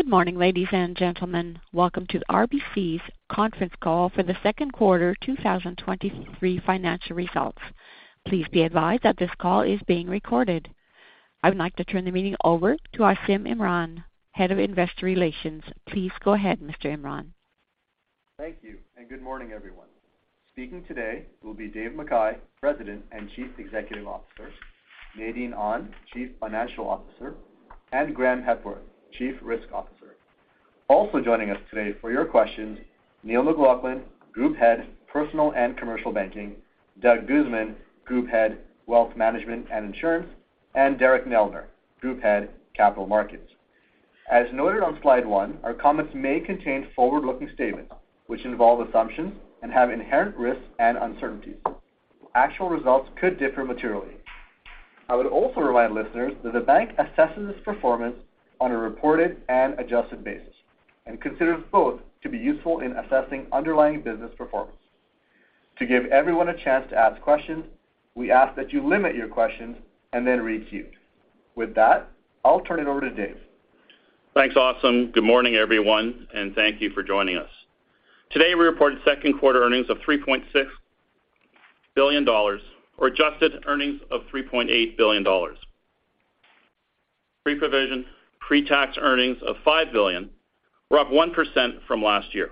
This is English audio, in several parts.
Good morning, ladies and gentlemen. Welcome to RBC's conference call for the second quarter 2023 financial results. Please be advised that this call is being recorded. I would like to turn the meeting over to Asim Imran, Head of Investor Relations. Please go ahead, Mr. Imran. Thank you. Good morning, everyone. Speaking today will be Dave McKay, President and Chief Executive Officer, Nadine Ahn, Chief Financial Officer, and Graeme Hepworth, Chief Risk Officer. Also joining us today for your questions, Neil McLaughlin, Group Head, Personal and Commercial Banking, Doug Guzman, Group Head, Wealth Management and Insurance, and Derek Neldner, Group Head, Capital Markets. As noted on slide one, our comments may contain forward-looking statements, which involve assumptions and have inherent risks and uncertainties. Actual results could differ materially. I would also remind listeners that the bank assesses its performance on a reported and adjusted basis and considers both to be useful in assessing underlying business performance. To give everyone a chance to ask questions, we ask that you limit your questions then requeue. With that, I'll turn it over to Dave. Thanks, Asim. Good morning, everyone, and thank you for joining us. Today, we reported second quarter earnings of 3.6 billion dollars, or adjusted earnings of 3.8 billion dollars. Pre-provision, pre-tax earnings of 5 billion were up 1% from last year.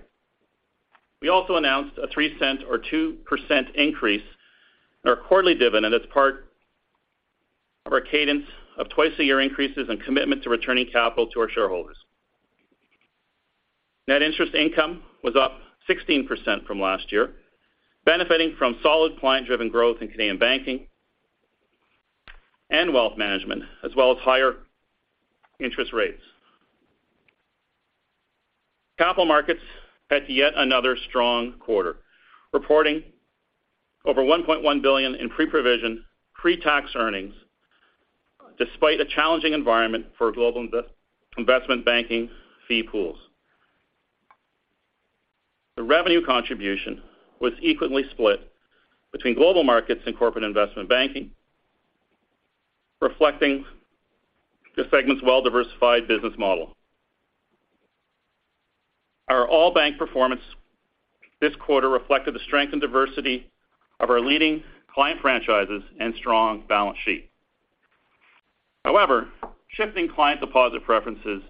We also announced a 0.03 or 2% increase in our quarterly dividend as part of our cadence of twice-a-year increases and commitment to returning capital to our shareholders. Net interest income was up 16% from last year, benefiting from solid client-driven growth in Canadian Banking and Wealth Management, as well as higher interest rates. Capital Markets had yet another strong quarter, reporting over 1.1 billion in pre-provision, pre-tax earnings, despite a challenging environment for global investment banking fee pools. The revenue contribution was equally split between Global Markets and Corporate Investment Banking, reflecting the segment's well-diversified business model. Our all-bank performance this quarter reflected the strength and diversity of our leading client franchises and strong balance sheet. Shifting client deposit preferences,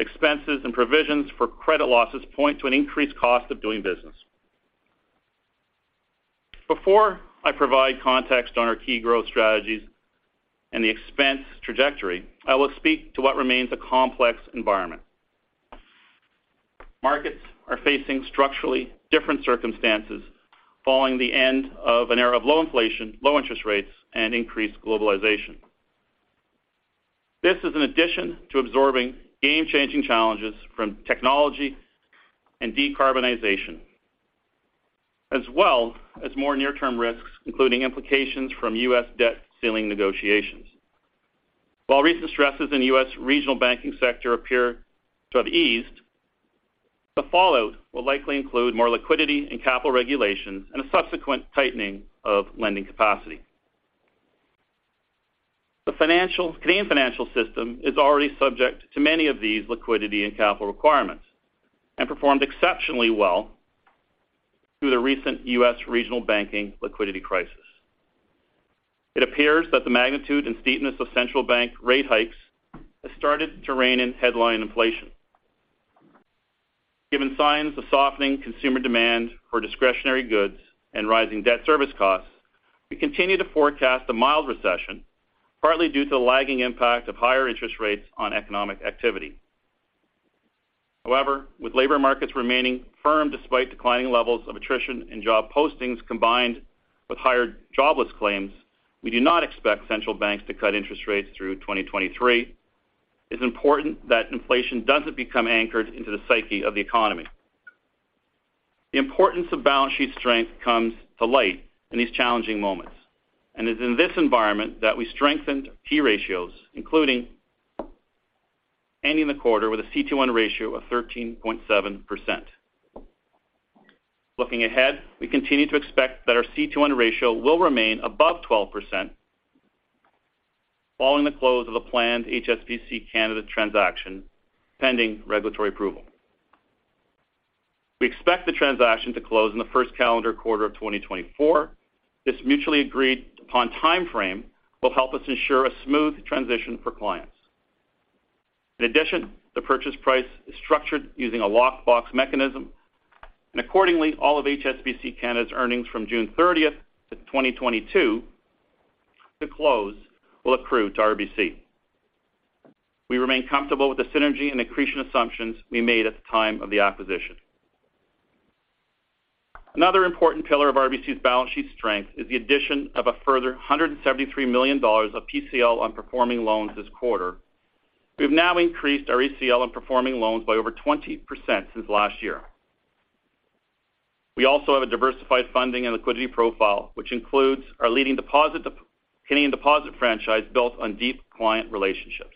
expenses, and provisions for credit losses point to an increased cost of doing business. Before I provide context on our key growth strategies and the expense trajectory, I will speak to what remains a complex environment. Markets are facing structurally different circumstances following the end of an era of low inflation, low interest rates, and increased globalization. This is an addition to absorbing game-changing challenges from technology and decarbonization, as well as more near-term risks, including implications from U.S. debt ceiling negotiations. While recent stresses in the U.S. regional banking sector appear to have eased, the fallout will likely include more liquidity and capital regulations and a subsequent tightening of lending capacity. The Canadian financial system is already subject to many of these liquidity and capital requirements and performed exceptionally well through the recent U.S. regional banking liquidity crisis. It appears that the magnitude and steepness of central bank rate hikes has started to rein in headline inflation. Given signs of softening consumer demand for discretionary goods and rising debt service costs, we continue to forecast a mild recession, partly due to the lagging impact of higher interest rates on economic activity. With labor markets remaining firm despite declining levels of attrition and job postings combined with higher jobless claims, we do not expect central banks to cut interest rates through 2023. It's important that inflation doesn't become anchored into the psyche of the economy. The importance of balance sheet strength comes to light in these challenging moments. It's in this environment that we strengthened key ratios, including ending the quarter with a CET1 ratio of 13.7%. Looking ahead, we continue to expect that our CET1 ratio will remain above 12% following the close of a planned HSBC Canada transaction, pending regulatory approval. We expect the transaction to close in the first calendar quarter of 2024. This mutually agreed-upon timeframe will help us ensure a smooth transition for clients. The purchase price is structured using a locked box mechanism. Accordingly, all of HSBC Canada's earnings from June 30th, 2022 to close will accrue to RBC. We remain comfortable with the synergy and accretion assumptions we made at the time of the acquisition. Another important pillar of RBC's balance sheet strength is the addition of a further 173 million dollars of PCL on performing loans this quarter. We've now increased our ECL on performing loans by over 20% since last year. We also have a diversified funding and liquidity profile, which includes our leading deposit, Canadian deposit franchise built on deep client relationships.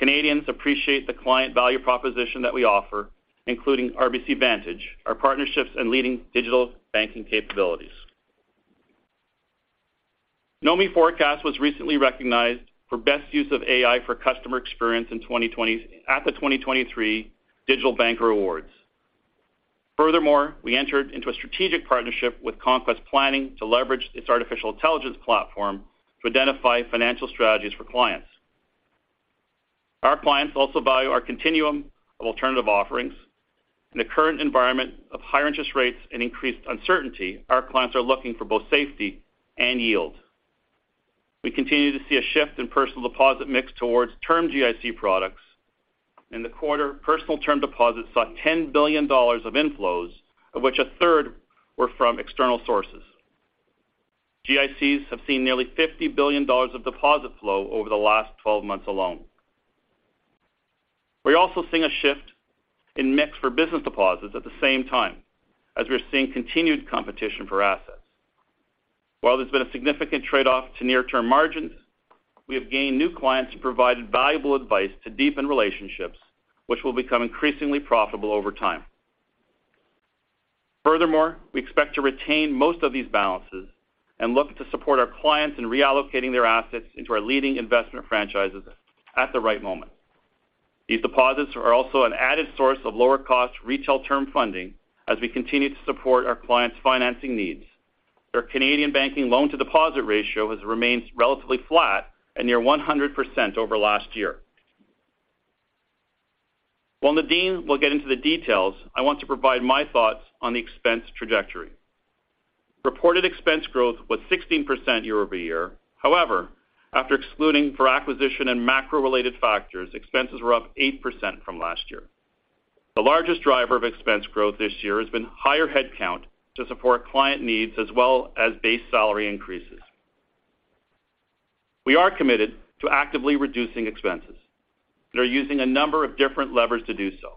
Canadians appreciate the client value proposition that we offer, including RBC Vantage, our partnerships and leading digital banking capabilities. NOMI Forecast was recently recognized for best use of AI for customer experience in 2023 at the Digital Banker Awards. We entered into a strategic partnership with Conquest Planning to leverage its artificial intelligence platform to identify financial strategies for clients. Our clients also value our continuum of alternative offerings. In the current environment of higher interest rates and increased uncertainty, our clients are looking for both safety and yield. We continue to see a shift in personal deposit mix towards term GIC products. In the quarter, personal term deposits saw 10 billion dollars of inflows, of which a third were from external sources. GICs have seen nearly 50 billion dollars of deposit flow over the last 12 months alone. We're also seeing a shift in mix for business deposits at the same time, as we're seeing continued competition for assets. While there's been a significant trade-off to near-term margins, we have gained new clients and provided valuable advice to deepen relationships, which will become increasingly profitable over time. We expect to retain most of these balances and look to support our clients in reallocating their assets into our leading investment franchises at the right moment. These deposits are also an added source of lower-cost retail term funding as we continue to support our clients' financing needs. Our Canadian Banking loan-to-deposit ratio has remained relatively flat and near 100% over last year. While Nadine will get into the details, I want to provide my thoughts on the expense trajectory. Reported expense growth was 16% year-over-year. However, after excluding for acquisition and macro-related factors, expenses were up 8% from last year. The largest driver of expense growth this year has been higher headcount to support client needs as well as base salary increases. We are committed to actively reducing expenses and are using a number of different levers to do so.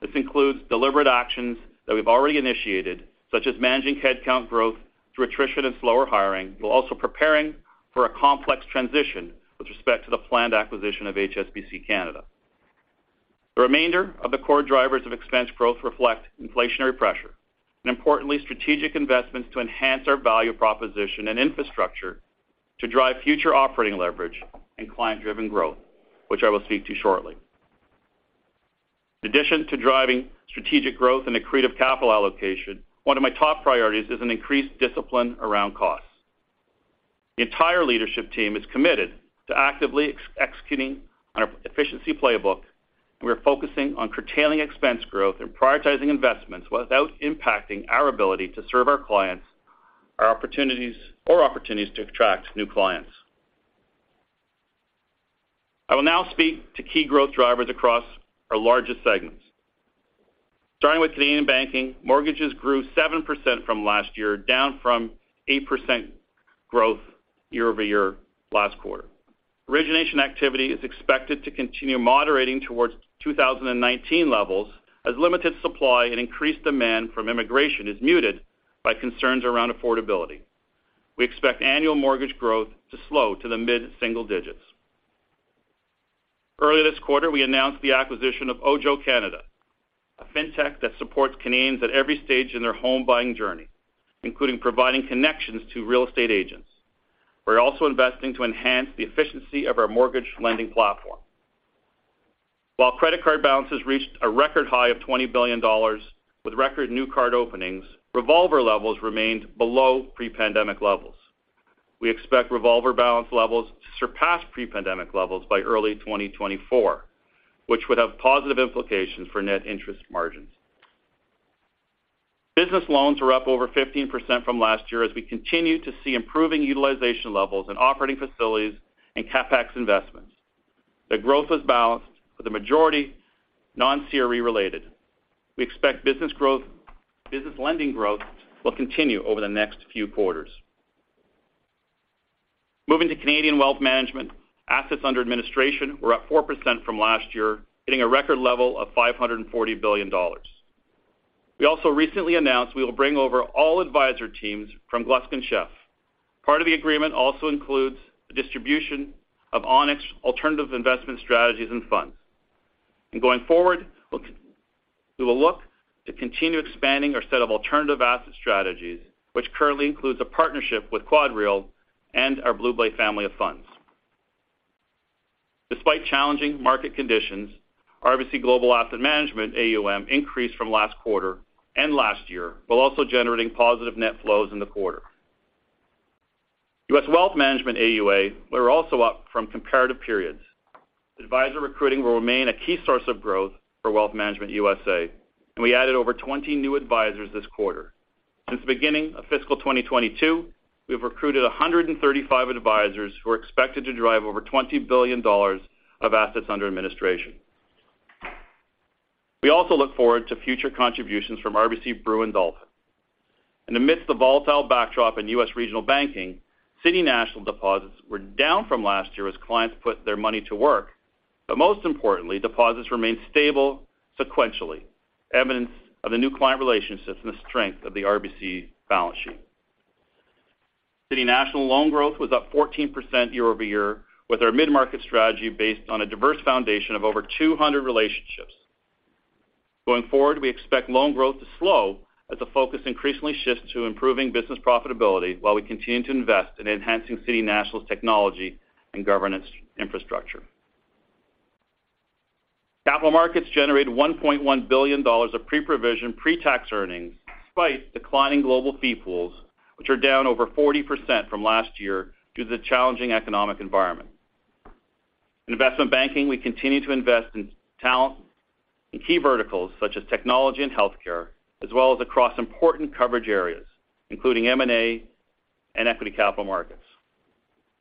This includes deliberate actions that we've already initiated, such as managing headcount growth through attrition and slower hiring, while also preparing for a complex transition with respect to the planned acquisition of HSBC Canada. The remainder of the core drivers of expense growth reflect inflationary pressure, importantly, strategic investments to enhance our value proposition and infrastructure to drive future operating leverage and client-driven growth, which I will speak to shortly. In addition to driving strategic growth and accretive capital allocation, one of my top priorities is an increased discipline around costs. The entire leadership team is committed to actively executing on our efficiency playbook, we're focusing on curtailing expense growth and prioritizing investments without impacting our ability to serve our clients, or opportunities to attract new clients. I will now speak to key growth drivers across our largest segments. Starting with Canadian Banking, mortgages grew 7% from last year, down from 8% growth year-over-year, last quarter. Origination activity is expected to continue moderating towards 2019 levels, as limited supply and increased demand from immigration is muted by concerns around affordability. We expect annual mortgage growth to slow to the mid-single digits. Earlier this quarter, we announced the acquisition of OJO Canada, a fintech that supports Canadians at every stage in their home buying journey, including providing connections to real estate agents. We're also investing to enhance the efficiency of our mortgage lending platform. While credit card balances reached a record high of 20 billion dollars with record new card openings, revolver levels remained below pre-pandemic levels. We expect revolver balance levels to surpass pre-pandemic levels by early 2024, which would have positive implications for net interest margins. Business loans were up over 15% from last year as we continue to see improving utilization levels in operating facilities and CapEx investments. The growth was balanced, with the majority non-CRE related. We expect business lending growth will continue over the next few quarters. Moving to Canadian Wealth Management, assets under administration were up 4% from last year, hitting a record level of 540 billion dollars. We also recently announced we will bring over all advisor teams from Gluskin Sheff. Part of the agreement also includes the distribution of Onex Alternative Investment Strategies and Funds. Going forward, we will look to continue expanding our set of alternative asset strategies, which currently includes a partnership with QuadReal and our BlueBay family of funds. Despite challenging market conditions, RBC Global Asset Management, AUM, increased from last quarter and last year, while also generating positive net flows in the quarter. U.S. Wealth Management, AUA, were also up from comparative periods. Advisor recruiting will remain a key source of growth for Wealth Management USA, and we added over 20 new advisors this quarter. Since the beginning of fiscal 2022, we've recruited 135 advisors, who are expected to drive over $20 billion of assets under administration. We also look forward to future contributions from RBC Brewin Dolphin. Amidst the volatile backdrop in U.S. regional banking, City National deposits were down from last year as clients put their money to work. Most importantly, deposits remained stable sequentially, evidence of the new client relationships and the strength of the RBC balance sheet. City National loan growth was up 14% year-over-year, with our mid-market strategy based on a diverse foundation of over 200 relationships. Going forward, we expect loan growth to slow as the focus increasingly shifts to improving business profitability, while we continue to invest in enhancing City National's technology and governance infrastructure. Capital markets generated $1.1 billion of pre-provision, pre-tax earnings, despite declining global fee pools, which are down over 40% from last year due to the challenging economic environment. In investment banking, we continue to invest in talent in key verticals such as technology and healthcare, as well as across important coverage areas, including M&A and equity Capital Markets.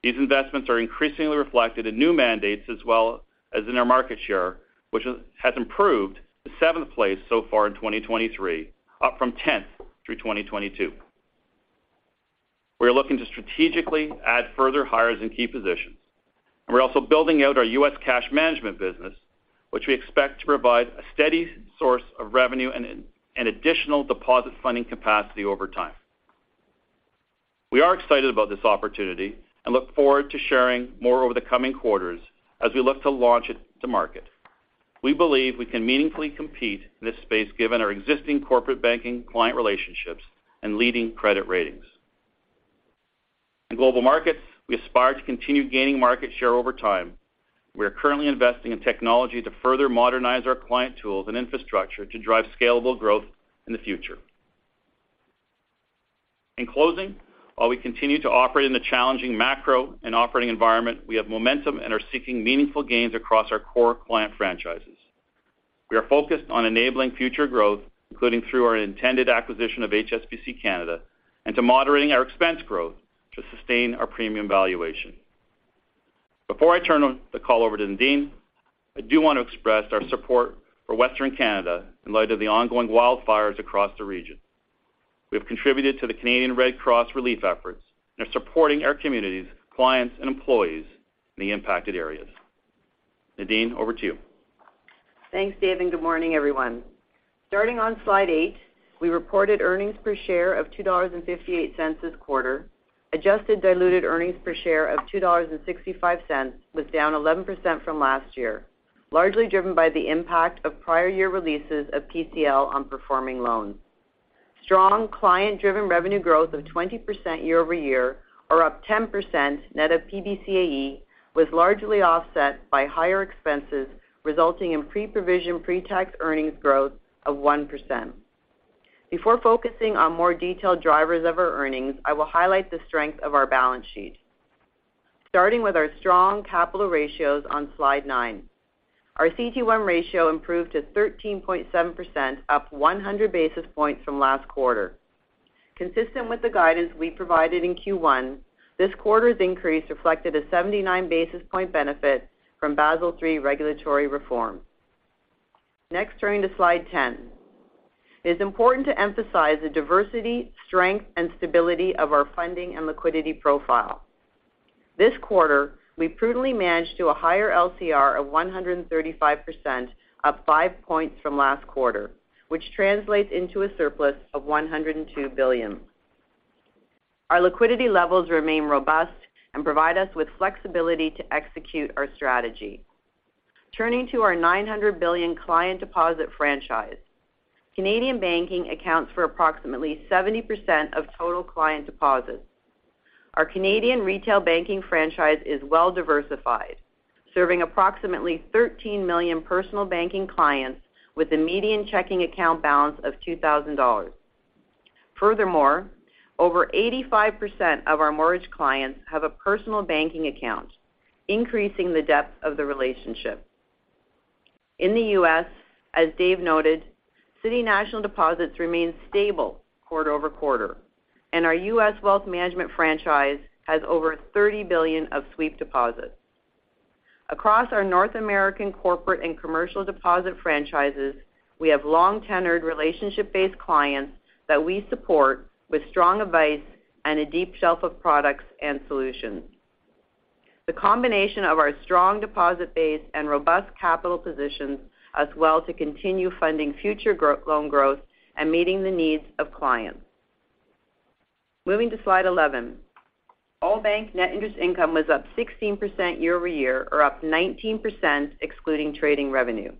These investments are increasingly reflected in new mandates as well as in our market share, which has improved to 7th place so far in 2023, up from 10th through 2022. We are looking to strategically add further hires in key positions, and we're also building out our U.S. cash management business, which we expect to provide a steady source of revenue and additional deposit funding capacity over time. We are excited about this opportunity and look forward to sharing more over the coming quarters as we look to launch it to market. We believe we can meaningfully compete in this space given our existing corporate banking client relationships and leading credit ratings. In Global Markets, we aspire to continue gaining market share over time. We are currently investing in technology to further modernize our client tools and infrastructure to drive scalable growth in the future. In closing, while we continue to operate in the challenging macro and operating environment, we have momentum and are seeking meaningful gains across our core client franchises. We are focused on enabling future growth, including through our intended acquisition of HSBC Canada, and to moderating our expense growth to sustain our premium valuation. Before I turn the call over to Nadine, I do want to express our support for Western Canada in light of the ongoing wildfires across the region. We have contributed to the Canadian Red Cross relief efforts and are supporting our communities, clients, and employees in the impacted areas. Nadine, over to you. Thanks, Dave, good morning, everyone. Starting on Slide eight, we reported earnings per share of 2.58 dollars this quarter. Adjusted diluted earnings per share of 2.65 dollars, was down 11% from last year, largely driven by the impact of prior year releases of PCL on performing loans. Strong client-driven revenue growth of 20% year-over-year, or up 10% net of PBCAE, was largely offset by higher expenses, resulting in pre-provision, pre-tax earnings growth of 1%. Before focusing on more detailed drivers of our earnings, I will highlight the strength of our balance sheet. Starting with our strong capital ratios on Slide nine. Our CET1 ratio improved to 13.7%, up 100 basis points from last quarter. Consistent with the guidance we provided in Q1, this quarter's increase reflected a 79 basis point benefit from Basel III regulatory reform. Turning to slide 10. It is important to emphasize the diversity, strength, and stability of our funding and liquidity profile. This quarter, we prudently managed to a higher LCR of 135%, up 5 points from last quarter, which translates into a surplus of 102 billion. Our liquidity levels remain robust and provide us with flexibility to execute our strategy. Turning to our 900 billion client deposit franchise, Canadian Banking accounts for approximately 70% of total client deposits. Our Canadian retail banking franchise is well diversified, serving approximately 13 million personal banking clients with a median checking account balance of 2,000 dollars. Furthermore, over 85% of our mortgage clients have a personal banking account, increasing the depth of the relationship. In the U.S., as Dave noted, City National deposits remained stable quarter-over-quarter, and our U.S. Wealth Management franchise has over $30 billion of sweep deposits. Across our North American corporate and commercial deposit franchises, we have long-tenured, relationship-based clients that we support with strong advice and a deep shelf of products and solutions. The combination of our strong deposit base and robust capital position, as well to continue funding future loan growth and meeting the needs of clients. Moving to Slide 11. All bank net interest income was up 16% year-over-year, or up 19%, excluding trading revenue.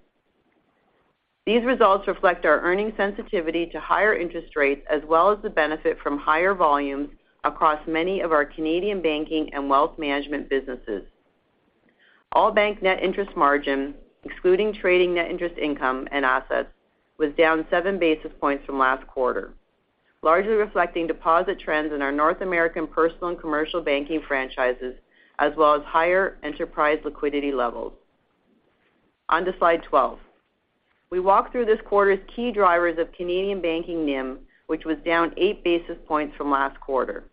These results reflect our earnings sensitivity to higher interest rates, as well as the benefit from higher volumes across many of our Canadian Banking and Wealth Management businesses. All bank net interest margin, excluding trading net interest, income and assets, was down 7 basis points from last quarter, largely reflecting deposit trends in our North American Personal and Commercial Banking franchises, as well as higher enterprise liquidity levels. On to Slide 12. We walked through this quarter's key drivers of Canadian Banking NIM, which was down 8 basis points from last quarter.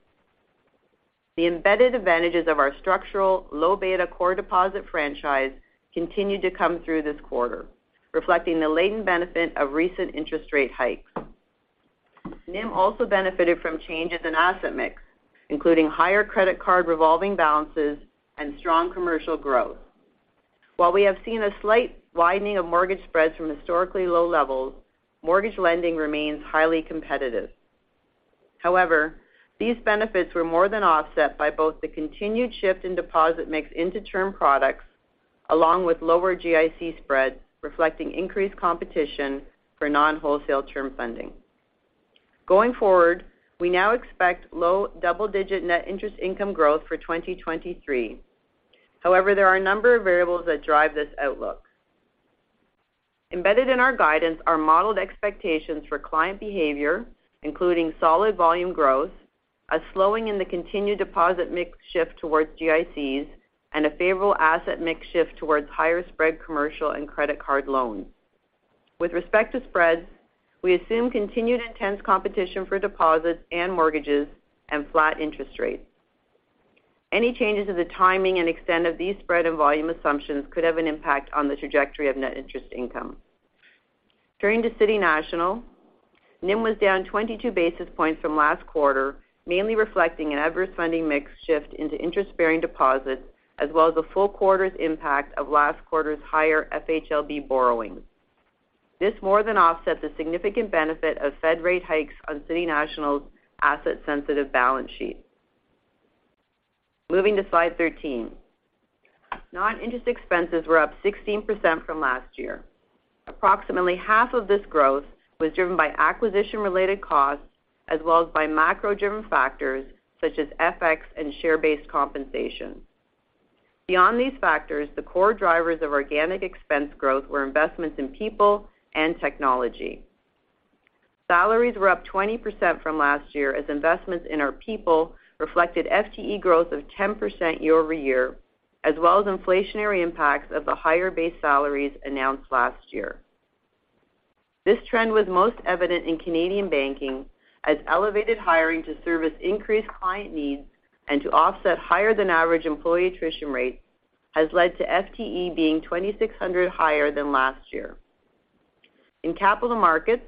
The embedded advantages of our structural, low-beta core deposit franchise continued to come through this quarter, reflecting the latent benefit of recent interest rate hikes. NIM also benefited from changes in asset mix, including higher credit card revolving balances and strong commercial growth. While we have seen a slight widening of mortgage spreads from historically low levels, mortgage lending remains highly competitive. These benefits were more than offset by both the continued shift in deposit mix into term products, along with lower GIC spreads, reflecting increased competition for non-wholesale term funding. Going forward, we now expect low double-digit net interest income growth for 2023. There are a number of variables that drive this outlook. Embedded in our guidance are modeled expectations for client behavior, including solid volume growth, a slowing in the continued deposit mix shift towards GICs, and a favorable asset mix shift towards higher spread commercial and credit card loans. With respect to spreads, we assume continued intense competition for deposits and mortgages and flat interest rates. Any changes in the timing and extent of these spread and volume assumptions could have an impact on the trajectory of net interest income. Turning to City National, NIM was down 22 basis points from last quarter, mainly reflecting an adverse funding mix shift into interest-bearing deposits, as well as a full quarter's impact of last quarter's higher FHLB borrowings. This more than offsets the significant benefit of Fed rate hikes on City National's asset-sensitive balance sheet. Moving to Slide 13. Non-interest expenses were up 16% from last year. Approximately half of this growth was driven by acquisition-related costs, as well as by macro-driven factors such as FX and share-based compensation. Beyond these factors, the core drivers of organic expense growth were investments in people and technology. Salaries were up 20% from last year, as investments in our people reflected FTE growth of 10% year-over-year, as well as inflationary impacts of the higher base salaries announced last year. This trend was most evident in Canadian Banking, as elevated hiring to service increased client needs and to offset higher-than-average employee attrition rates, has led to FTE being 2,600 higher than last year. In Capital Markets,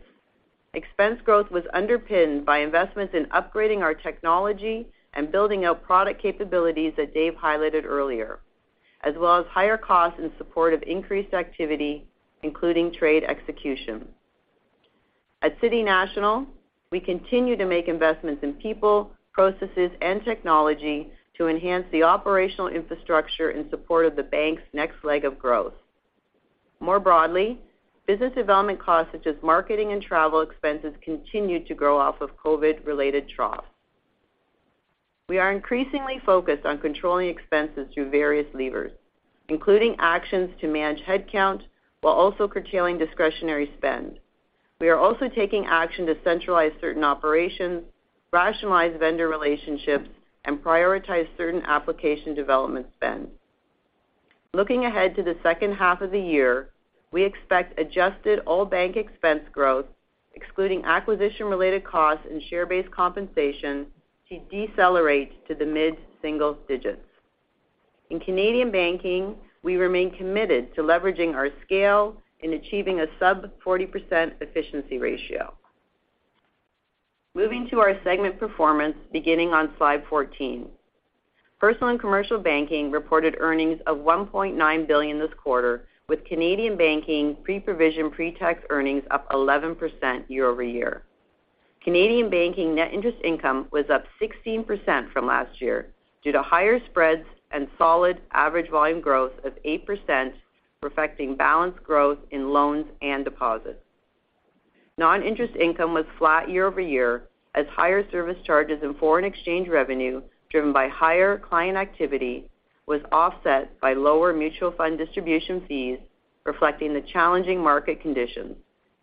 expense growth was underpinned by investments in upgrading our technology and building out product capabilities that Dave highlighted earlier, as well as higher costs in support of increased activity, including trade execution. At City National, we continue to make investments in people, processes, and technology to enhance the operational infrastructure in support of the bank's next leg of growth. More broadly, business development costs, such as marketing and travel expenses, continued to grow off of COVID-related troughs. We are increasingly focused on controlling expenses through various levers, including actions to manage headcount while also curtailing discretionary spend. We are also taking action to centralize certain operations, rationalize vendor relationships, and prioritize certain application development spend. Looking ahead to the second half of the year, we expect adjusted all-bank expense growth, excluding acquisition-related costs and share-based compensation, to decelerate to the mid-single digits. In Canadian Banking, we remain committed to leveraging our scale and achieving a sub 40% efficiency ratio. Moving to our segment performance, beginning on Slide 14. Personal and commercial banking reported earnings of 1.9 billion this quarter, with Canadian Banking pre-provision, pre-tax earnings up 11% year-over-year. Canadian Banking net interest income was up 16% from last year due to higher spreads and solid average volume growth of 8%, reflecting balanced growth in loans and deposits. Non-interest income was flat year-over-year, as higher service charges and foreign exchange revenue, driven by higher client activity, was offset by lower mutual fund distribution fees, reflecting the challenging market conditions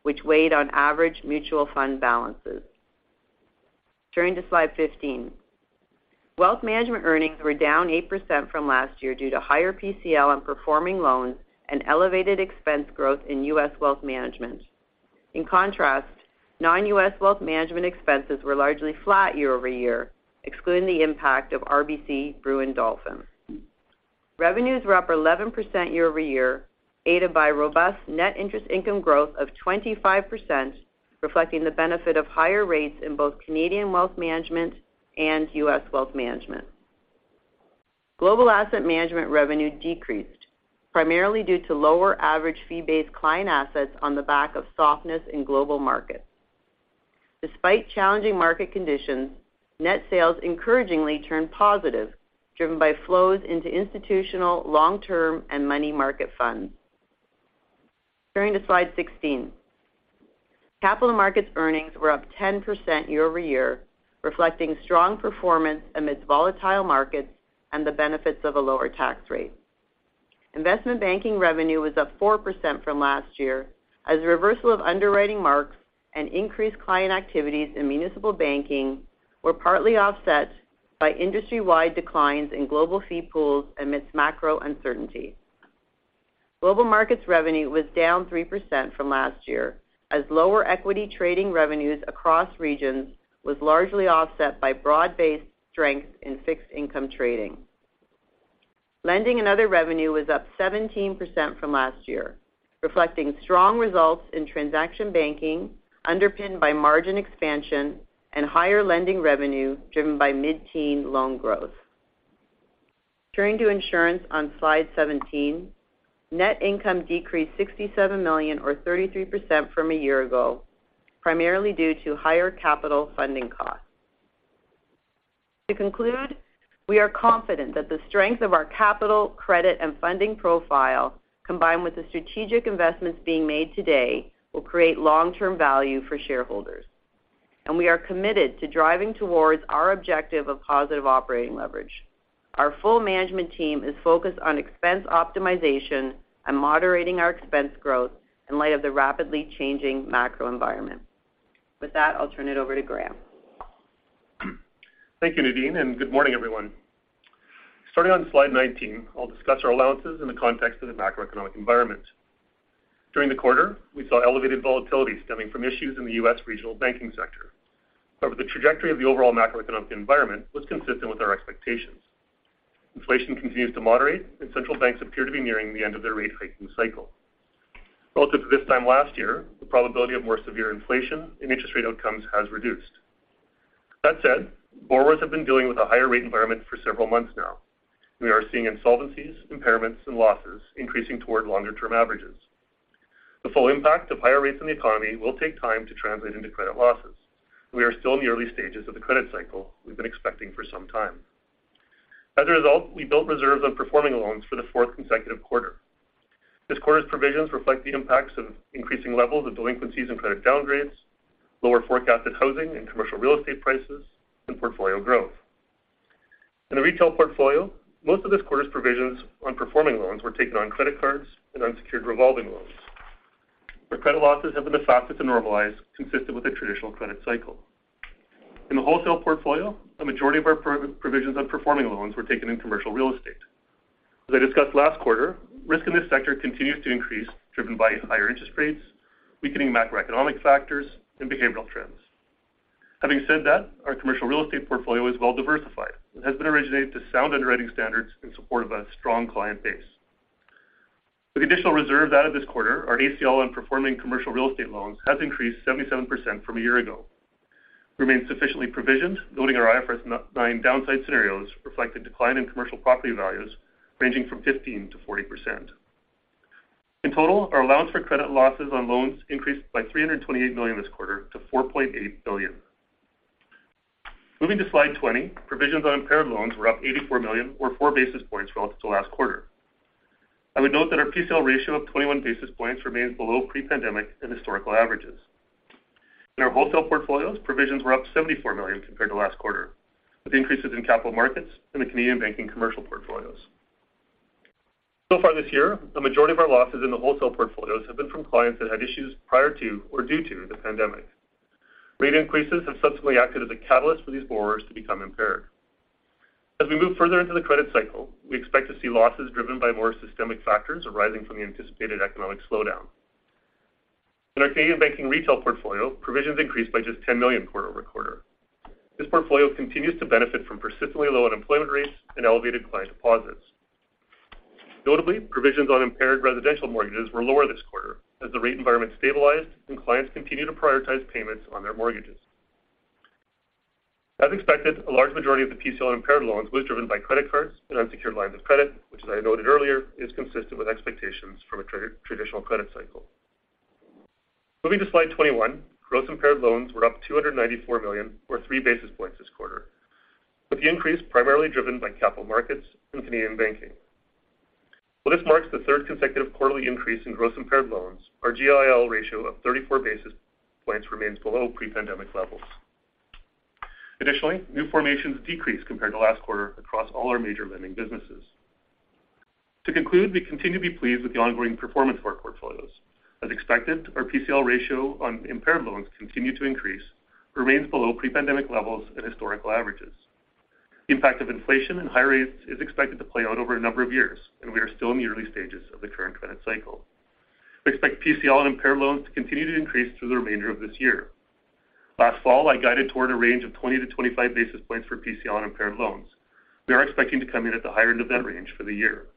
which weighed on average mutual fund balances. Turning to Slide 15. Wealth Management earnings were down 8% from last year due to higher PCL on performing loans and elevated expense growth in U.S. Wealth Management. In contrast, non-U.S. Wealth Management expenses were largely flat year-over-year, excluding the impact of RBC Brewin Dolphin. Revenues were up 11% year-over-year, aided by robust net interest income growth of 25%, reflecting the benefit of higher rates in both Canadian Wealth Management and U.S. Wealth Management. Global asset management revenue decreased, primarily due to lower average fee-based client assets on the back of softness in Global Markets. Despite challenging market conditions, net sales encouragingly turned positive, driven by flows into institutional, long-term, and money market funds. Turning to Slide 16. Capital Markets earnings were up 10% year-over-year, reflecting strong performance amidst volatile markets and the benefits of a lower tax rate. Investment banking revenue was up 4% from last year, as reversal of underwriting marks and increased client activities in municipal banking were partly offset by industry-wide declines in global fee pools amidst macro uncertainty. Global Markets revenue was down 3% from last year, as lower equity trading revenues across regions was largely offset by broad-based strength in fixed income trading. Lending and other revenue was up 17% from last year, reflecting strong results in transaction banking, underpinned by margin expansion and higher lending revenue, driven by mid-teen loan growth. Turning to insurance on slide 17, net income decreased 67 million or 33% from a year ago, primarily due to higher capital funding costs. To conclude, we are confident that the strength of our capital, credit, and funding profile, combined with the strategic investments being made today, will create long-term value for shareholders. We are committed to driving towards our objective of positive operating leverage. Our full management team is focused on expense optimization and moderating our expense growth in light of the rapidly changing macro environment. With that, I'll turn it over to Graeme. Thank you, Nadine. Good morning, everyone. Starting on slide 19, I'll discuss our allowances in the context of the macroeconomic environment. During the quarter, we saw elevated volatility stemming from issues in the U.S. regional banking sector. The trajectory of the overall macroeconomic environment was consistent with our expectations. Inflation continues to moderate. Central banks appear to be nearing the end of their rate hiking cycle. Relative to this time last year, the probability of more severe inflation and interest rate outcomes has reduced. That said, borrowers have been dealing with a higher rate environment for several months now. We are seeing insolvencies, impairments, and losses increasing toward longer-term averages. The full impact of higher rates in the economy will take time to translate into credit losses. We are still in the early stages of the credit cycle we've been expecting for some time. As a result, we built reserves on performing loans for the fourth consecutive quarter. This quarter's provisions reflect the impacts of increasing levels of delinquencies and credit downgrades, lower forecasted housing and commercial real estate prices, and portfolio growth. In the retail portfolio, most of this quarter's provisions on performing loans were taken on credit cards and unsecured revolving loans, where credit losses have been the fastest to normalize, consistent with a traditional credit cycle. In the wholesale portfolio, a majority of our provisions on performing loans were taken in commercial real estate. As I discussed last quarter, risk in this sector continues to increase, driven by higher interest rates, weakening macroeconomic factors, and behavioral trends. Having said that, our commercial real estate portfolio is well diversified and has been originated to sound underwriting standards in support of a strong client base. With additional reserves out of this quarter, our ACL on performing commercial real estate loans has increased 77% from a year ago. We remain sufficiently provisioned, noting our IFRS 9 downside scenarios reflect a decline in commercial property values ranging from 15%-40%. In total, our allowance for credit losses on loans increased by 328 million this quarter to 4.8 billion. Moving to slide 20, provisions on impaired loans were up 84 million or 4 basis points relative to last quarter. I would note that our PCL ratio of 21 basis points remains below pre-pandemic and historical averages. In our wholesale portfolios, provisions were up 74 million compared to last quarter, with increases in Capital Markets and the Canadian Banking commercial portfolios. Far this year, the majority of our losses in the wholesale portfolios have been from clients that had issues prior to or due to the pandemic. Rate increases have subsequently acted as a catalyst for these borrowers to become impaired. As we move further into the credit cycle, we expect to see losses driven by more systemic factors arising from the anticipated economic slowdown. In our Canadian Banking retail portfolio, provisions increased by just 10 million quarter-over-quarter. This portfolio continues to benefit from persistently low unemployment rates and elevated client deposits. Notably, provisions on impaired residential mortgages were lower this quarter as the rate environment stabilized and clients continued to prioritize payments on their mortgages. As expected, a large majority of the PCL impaired loans was driven by credit cards and unsecured lines of credit, which, as I noted earlier, is consistent with expectations from a traditional credit cycle. Moving to slide 21, gross impaired loans were up 294 million or 3 basis points this quarter, with the increase primarily driven by Capital Markets and Canadian Banking. While this marks the third consecutive quarterly increase in gross impaired loans, our GIL ratio of 34 basis points remains below pre-pandemic levels. New formations decreased compared to last quarter across all our major lending businesses. To conclude, we continue to be pleased with the ongoing performance of our portfolios. As expected, our PCL ratio on impaired loans continued to increase, remains below pre-pandemic levels and historical averages. The impact of inflation and high rates is expected to play out over a number of years, and we are still in the early stages of the current credit cycle. We expect PCL and impaired loans to continue to increase through the remainder of this year. Last fall, I guided toward a range of 20-25 basis points for PCL on impaired loans. We are expecting to come in at the higher end of that range for the year.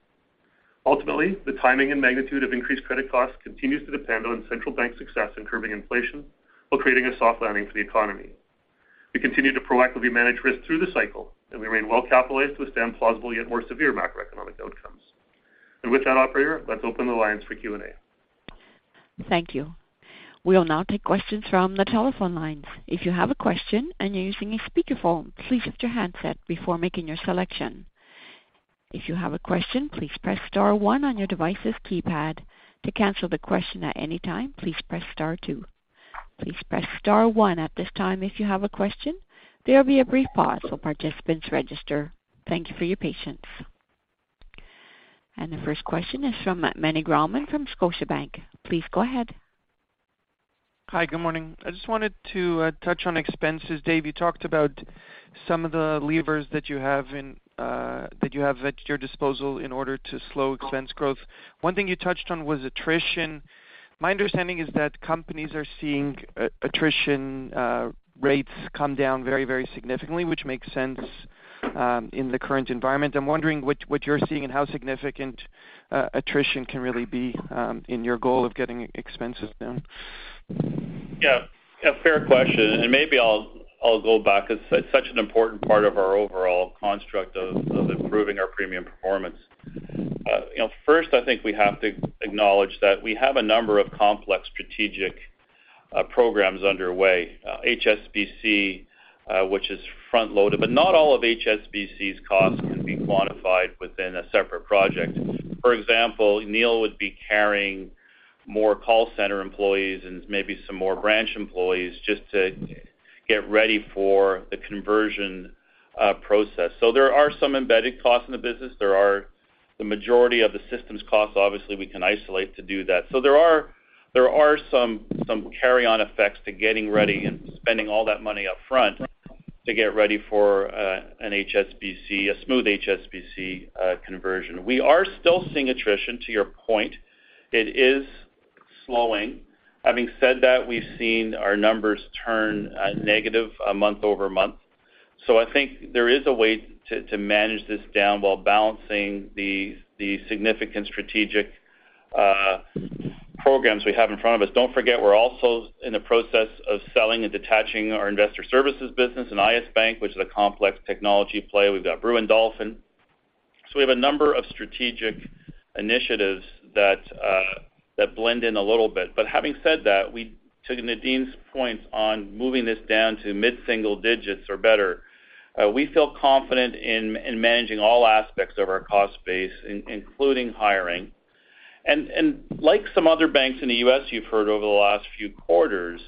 Ultimately, the timing and magnitude of increased credit costs continues to depend on central bank success in curbing inflation while creating a soft landing for the economy. We continue to proactively manage risk through the cycle, and we remain well capitalized to withstand plausible yet more severe macroeconomic outcomes. With that, operator, let's open the lines for Q&A. Thank you. We will now take questions from the telephone lines. If you have a question and you're using a speakerphone, please mute your handset before making your selection. If you have a question, please press star one on your device's keypad. To cancel the question at any time, please press star two. Please press star one at this time if you have a question. There will be a brief pause while participants register. Thank you for your patience. The first question is from Meny Grauman from Scotiabank. Please go ahead. Hi, good morning. I just wanted to touch on expenses. Dave, you talked about some of the levers that you have in that you have at your disposal in order to slow expense growth. One thing you touched on was attrition. My understanding is that companies are seeing attrition rates come down very, very significantly, which makes sense in the current environment. I'm wondering what you're seeing and how significant attrition can really be in your goal of getting expenses down? Yeah, a fair question. Maybe I'll go back. It's such an important part of our overall construct of improving our premium performance. You know, first, I think we have to acknowledge that we have a number of complex strategic programs underway. HSBC, which is front-loaded, not all of HSBC's costs can be quantified within a separate project. For example, Neil would be carrying more call center employees and maybe some more branch employees just to get ready for the conversion process. There are some embedded costs in the business. There are the majority of the systems costs. Obviously, we can isolate to do that. There are some carry-on effects to getting ready and spending all that money up front to get ready for an HSBC, a smooth HSBC conversion. We are still seeing attrition, to your point. It is slowing. Having said that, we've seen our numbers turn negative month-over-month. I think there is a way to manage this down while balancing the significant strategic programs we have in front of us. Don't forget, we're also in the process of selling and detaching our investor services business in IS Bank, which is a complex technology play. We've got RBC Brewin Dolphin. We have a number of strategic initiatives that blend in a little bit. Having said that, to Nadine's point on moving this down to mid-single digits or better, we feel confident in managing all aspects of our cost base, including hiring. Like some other banks in the U.S., you've heard over the last few quarters,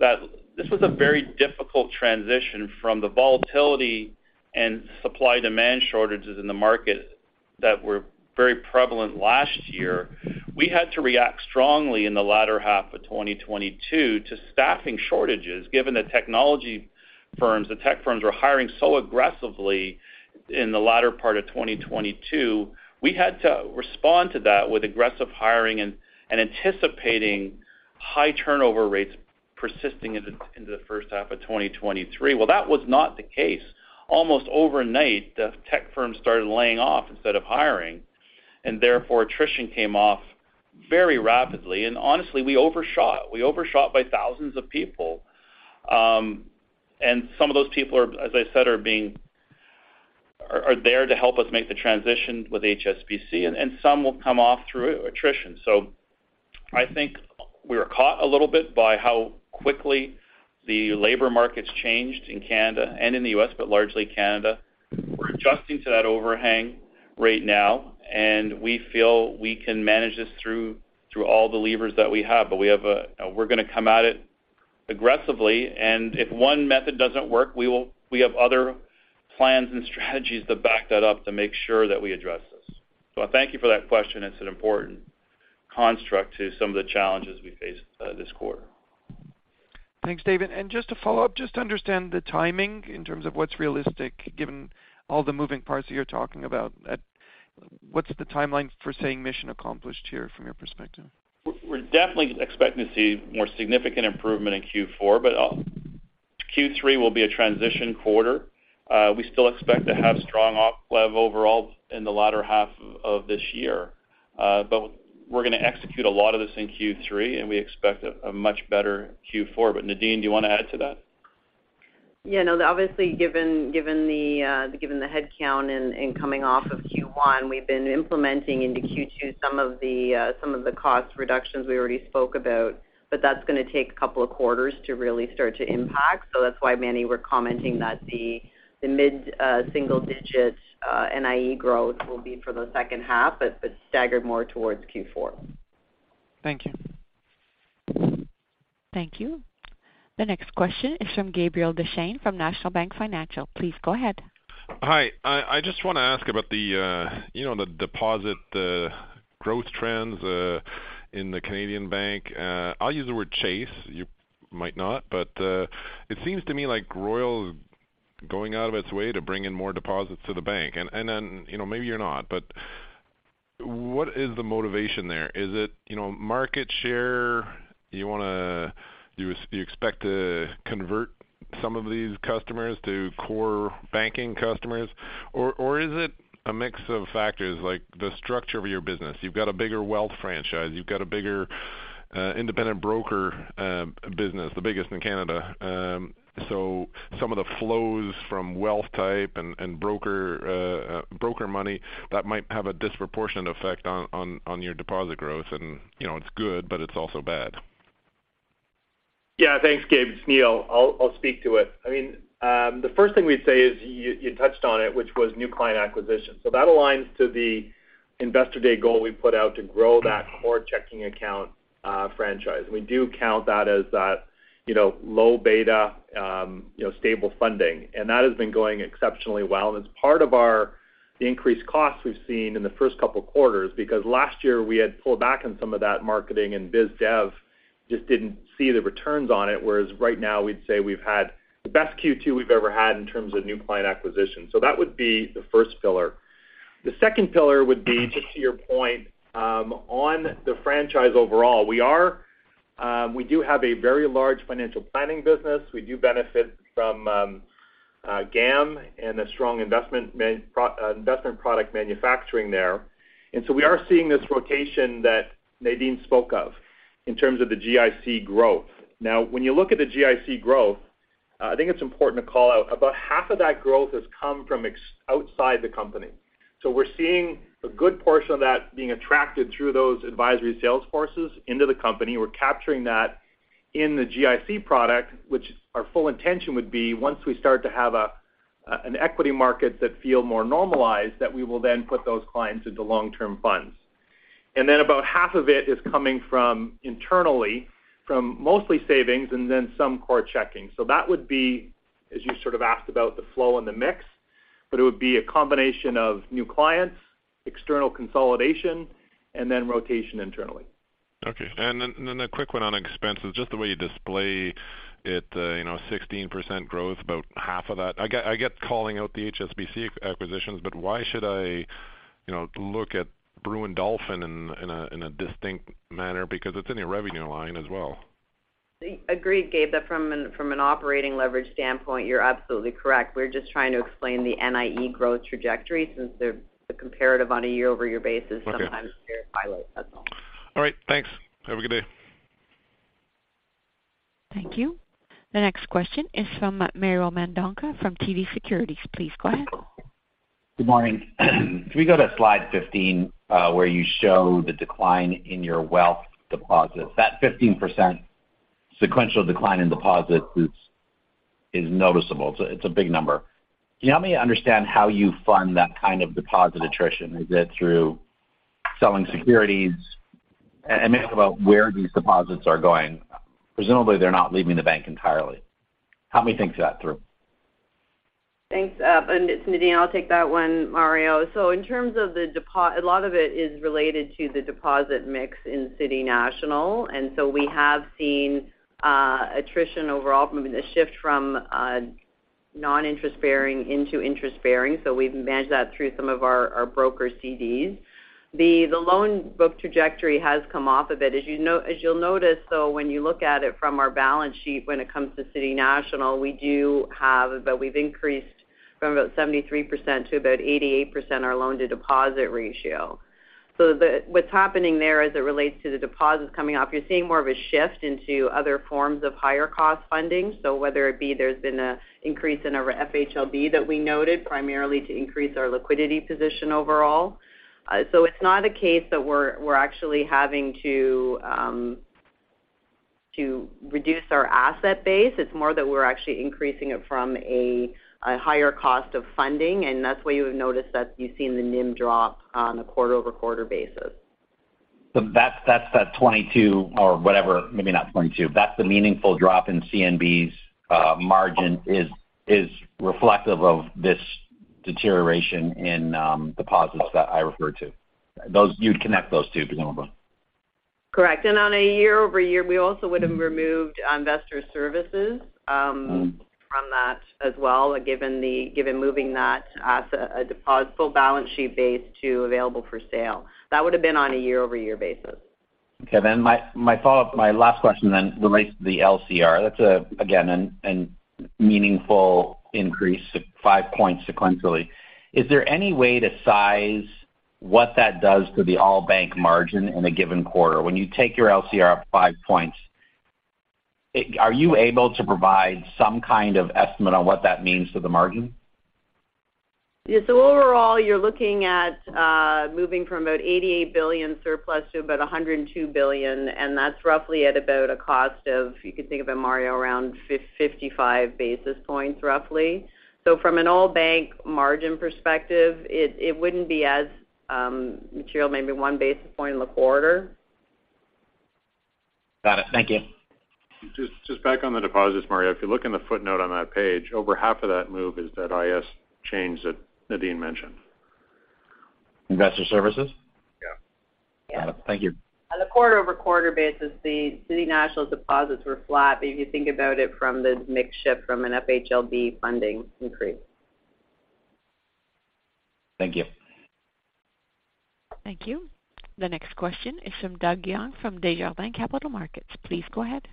that this was a very difficult transition from the volatility and supply-demand shortages in the market that were very prevalent last year. We had to react strongly in the latter half of 2022 to staffing shortages, given the technology firms, the tech firms were hiring so aggressively in the latter part of 2022. We had to respond to that with aggressive hiring and anticipating high turnover rates persisting into the first half of 2023. That was not the case. Almost overnight, the tech firms started laying off instead of hiring, and therefore, attrition came off very rapidly. Honestly, we overshot. We overshot by thousands of people. Some of those people are, as I said, are there to help us make the transition with HSBC, and some will come off through attrition. I think we were caught a little bit by how quickly the labor markets changed in Canada and in the U.S., but largely Canada. We're adjusting to that overhang right now, and we feel we can manage this through all the levers that we have. We're going to come at it aggressively, and if one method doesn't work, we have other plans and strategies to back that up to make sure that we address this. Thank you for that question. It's an important construct to some of the challenges we face this quarter. Thanks, Dave. Just to follow up, just to understand the timing in terms of what's realistic, given all the moving parts that you're talking about. What's the timeline for saying mission accomplished here from your perspective? We're definitely expecting to see more significant improvement in Q4, but Q3 will be a transition quarter. We still expect to have strong operating leverage overall in the latter half of this year. But we're going to execute a lot of this in Q3, and we expect a much better Q4. Nadine, do you want to add to that? Yeah, no, obviously, given the headcount and coming off of Q1, we've been implementing into Q2 some of the cost reductions we already spoke about, but that's going to take a couple of quarters to really start to impact. That's why, Meny, we're commenting that the mid single digits NIE growth will be for the second half, but staggered more towards Q4. Thank you. Thank you. The next question is from Gabriel Dechaine from National Bank Financial. Please go ahead. Hi, I just want to ask about the, you know, the deposit, the growth trends in the Canadian bank. I'll use the word chase. You might not, but it seems to me like Royal is going out of its way to bring in more deposits to the bank. You know, maybe you're not, but what is the motivation there? Is it, you know, market share? You expect to convert some of these customers to core banking customers? Is it a mix of factors like the structure of your business? You've got a bigger wealth franchise, you've got a bigger independent broker business, the biggest in Canada. Some of the flows from wealth type and broker money, that might have a disproportionate effect on your deposit growth, and, you know, it's good, but it's also bad. Yeah. Thanks, Gabe. It's Neil. I'll speak to it. I mean, the first thing we'd say is, you touched on it, which was new client acquisition. That aligns to the investor day goal we put out to grow that core checking account franchise. We do count that as that, you know, low beta, you know, stable funding, and that has been going exceptionally well. It's part of our increased costs we've seen in the first couple of quarters, because last year we had pulled back on some of that marketing and biz dev just didn't see the returns on it. Whereas right now, we'd say we've had the best Q2 we've ever had in terms of new client acquisition. That would be the first pillar. The second pillar would be, just to your point, on the franchise overall. We are, we do have a very large financial planning business. We do benefit from GAM and a strong investment product manufacturing there. So we are seeing this rotation that Nadine spoke of, in terms of the GIC growth. Now, when you look at the GIC growth, I think it's important to call out, about half of that growth has come from outside the company. So we're seeing a good portion of that being attracted through those advisory sales forces into the company. We're capturing that in the GIC product, which our full intention would be once we start to have an equity market that feel more normalized, that we will then put those clients into long-term funds. Then about half of it is coming from internally, from mostly savings and then some core checking. That would be, as you sort of asked, about the flow and the mix, but it would be a combination of new clients, external consolidation, and then rotation internally. Okay. Then a quick one on expenses. Just the way you display it, you know, 16% growth, about half of that. I get calling out the HSBC acquisitions, why should I, you know, look at Brewin Dolphin in a distinct manner because it's in your revenue line as well? Agreed, Gabe, that from an operating leverage standpoint, you're absolutely correct. We're just trying to explain the NIE growth trajectory since the comparative on a year-over-year basis. Okay. sometimes they're pilot, that's all. All right, thanks. Have a good day. Thank you. The next question is from Mario Mendonca from TD Securities. Please go ahead. Good morning. Can we go to slide 15, where you show the decline in your wealth deposits? That 15% sequential decline in deposits is noticeable, it's a big number. Can you help me understand how you fund that kind of deposit attrition? Is it through selling securities? Maybe about where these deposits are going. Presumably, they're not leaving the bank entirely. Help me think that through. Thanks. It's Nadine. I'll take that one, Mario. A lot of it is related to the deposit mix in City National, we have seen attrition overall from the shift from non-interest bearing into interest bearing, we've managed that through some of our brokered CDs. The loan book trajectory has come off of it. As you'll notice, when you look at it from our balance sheet, when it comes to City National, we do have, but we've increased from about 73% to about 88%, our loan-to-deposit ratio. What's happening there as it relates to the deposits coming off, you're seeing more of a shift into other forms of higher cost funding. Whether it be there's been an increase in our FHLB that we noted, primarily to increase our liquidity position overall. It's not a case that we're actually having to reduce our asset base, it's more that we're actually increasing it from a higher cost of funding, and that's why you would notice that you've seen the NIM drop on a quarter-over-quarter basis. That's, that 22% or whatever, maybe not 22%. That's the meaningful drop in CNB's margin is reflective of this deterioration in deposits that I referred to. You'd connect those two, presumably? Correct. On a year-over-year, we also would have removed investor services. Mm-hmm. from that as well, given moving that as a deposit full balance sheet base to available for sale. That would have been on a year-over-year basis. Okay, my follow-up, my last question then relates to the LCR. That's again, an meaningful increase, 5 points sequentially. Is there any way to size what that does to the all bank margin in a given quarter? When you take your LCR up 5 points, are you able to provide some kind of estimate on what that means to the margin? Yes. Overall, you're looking at moving from about 88 billion surplus to about 102 billion, and that's roughly at about a cost of, you could think about, Mario, around 55 basis points, roughly. From an all bank margin perspective, it wouldn't be as material, maybe 1 basis point in the quarter. Got it. Thank you. Just back on the deposits, Mario. If you look in the footnote on that page, over half of that move is that IS change that Nadine mentioned. Investor services? Yeah. Got it. Thank you. On a quarter-over-quarter basis, the City National deposits were flat. If you think about it from the mix shift from an FHLB funding increase. Thank you. Thank you. The next question is from Doug Young from Desjardins Capital Markets. Please go ahead.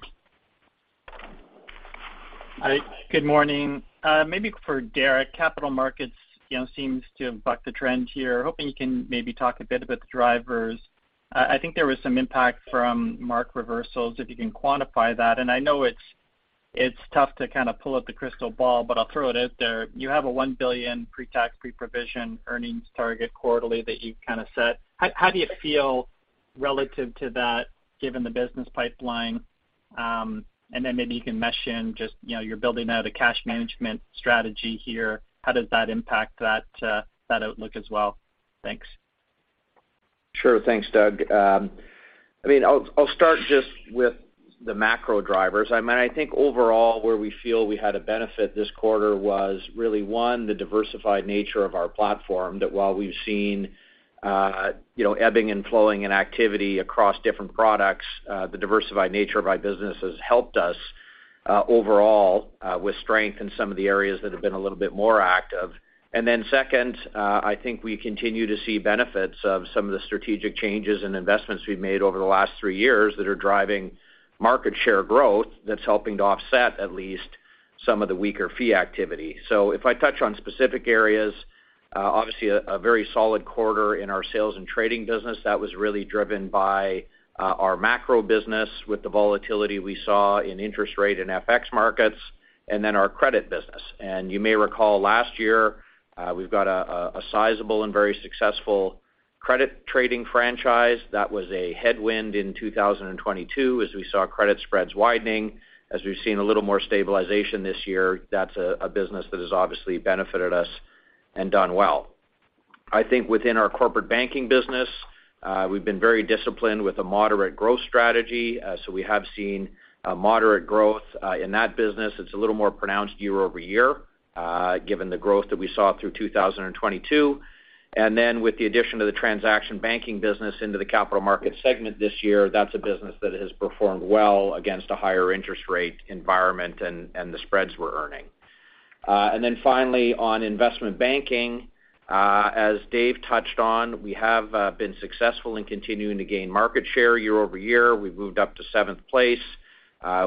Hi, good morning. Maybe for Derek. Capital Markets, you know, seems to have bucked the trend here. Hoping you can maybe talk a bit about the drivers. I think there was some impact from mark reversals, if you can quantify that. I know it's tough to kind of pull up the crystal ball, but I'll throw it out there. You have a $1 billion pre-tax, pre-provision earnings target quarterly that you've kind of set. How do you feel relative to that, given the business pipeline? Then maybe you can mesh in just, you know, you're building out a cash management strategy here. How does that impact that outlook as well? Thanks. Sure. Thanks, Doug. I mean, I'll start just with the macro drivers. I mean, I think overall, where we feel we had a benefit this quarter was really, one, the diversified nature of our platform. That while we've seen, you know, ebbing and flowing in activity across different products, the diversified nature of our business has helped us overall with strength in some of the areas that have been a little bit more active. Second, I think we continue to see benefits of some of the strategic changes and investments we've made over the last three years that are driving market share growth, that's helping to offset at least some of the weaker fee activity. If I touch on specific areas. Obviously a very solid quarter in our sales and trading business. That was really driven by our macro business with the volatility we saw in interest rate and FX markets, then our credit business. You may recall last year, we've got a sizable and very successful credit trading franchise. That was a headwind in 2022, as we saw credit spreads widening. As we've seen a little more stabilization this year, that's a business that has obviously benefited us and done well. I think within our corporate banking business, we've been very disciplined with a moderate growth strategy. We have seen a moderate growth in that business. It's a little more pronounced year-over-year, given the growth that we saw through 2022. Then with the addition of the transaction banking business into the Capital Markets segment this year, that's a business that has performed well against a higher interest rate environment and the spreads we're earning. Finally, on investment banking, as Dave touched on, we have been successful in continuing to gain market share year-over-year. We've moved up to seventh place.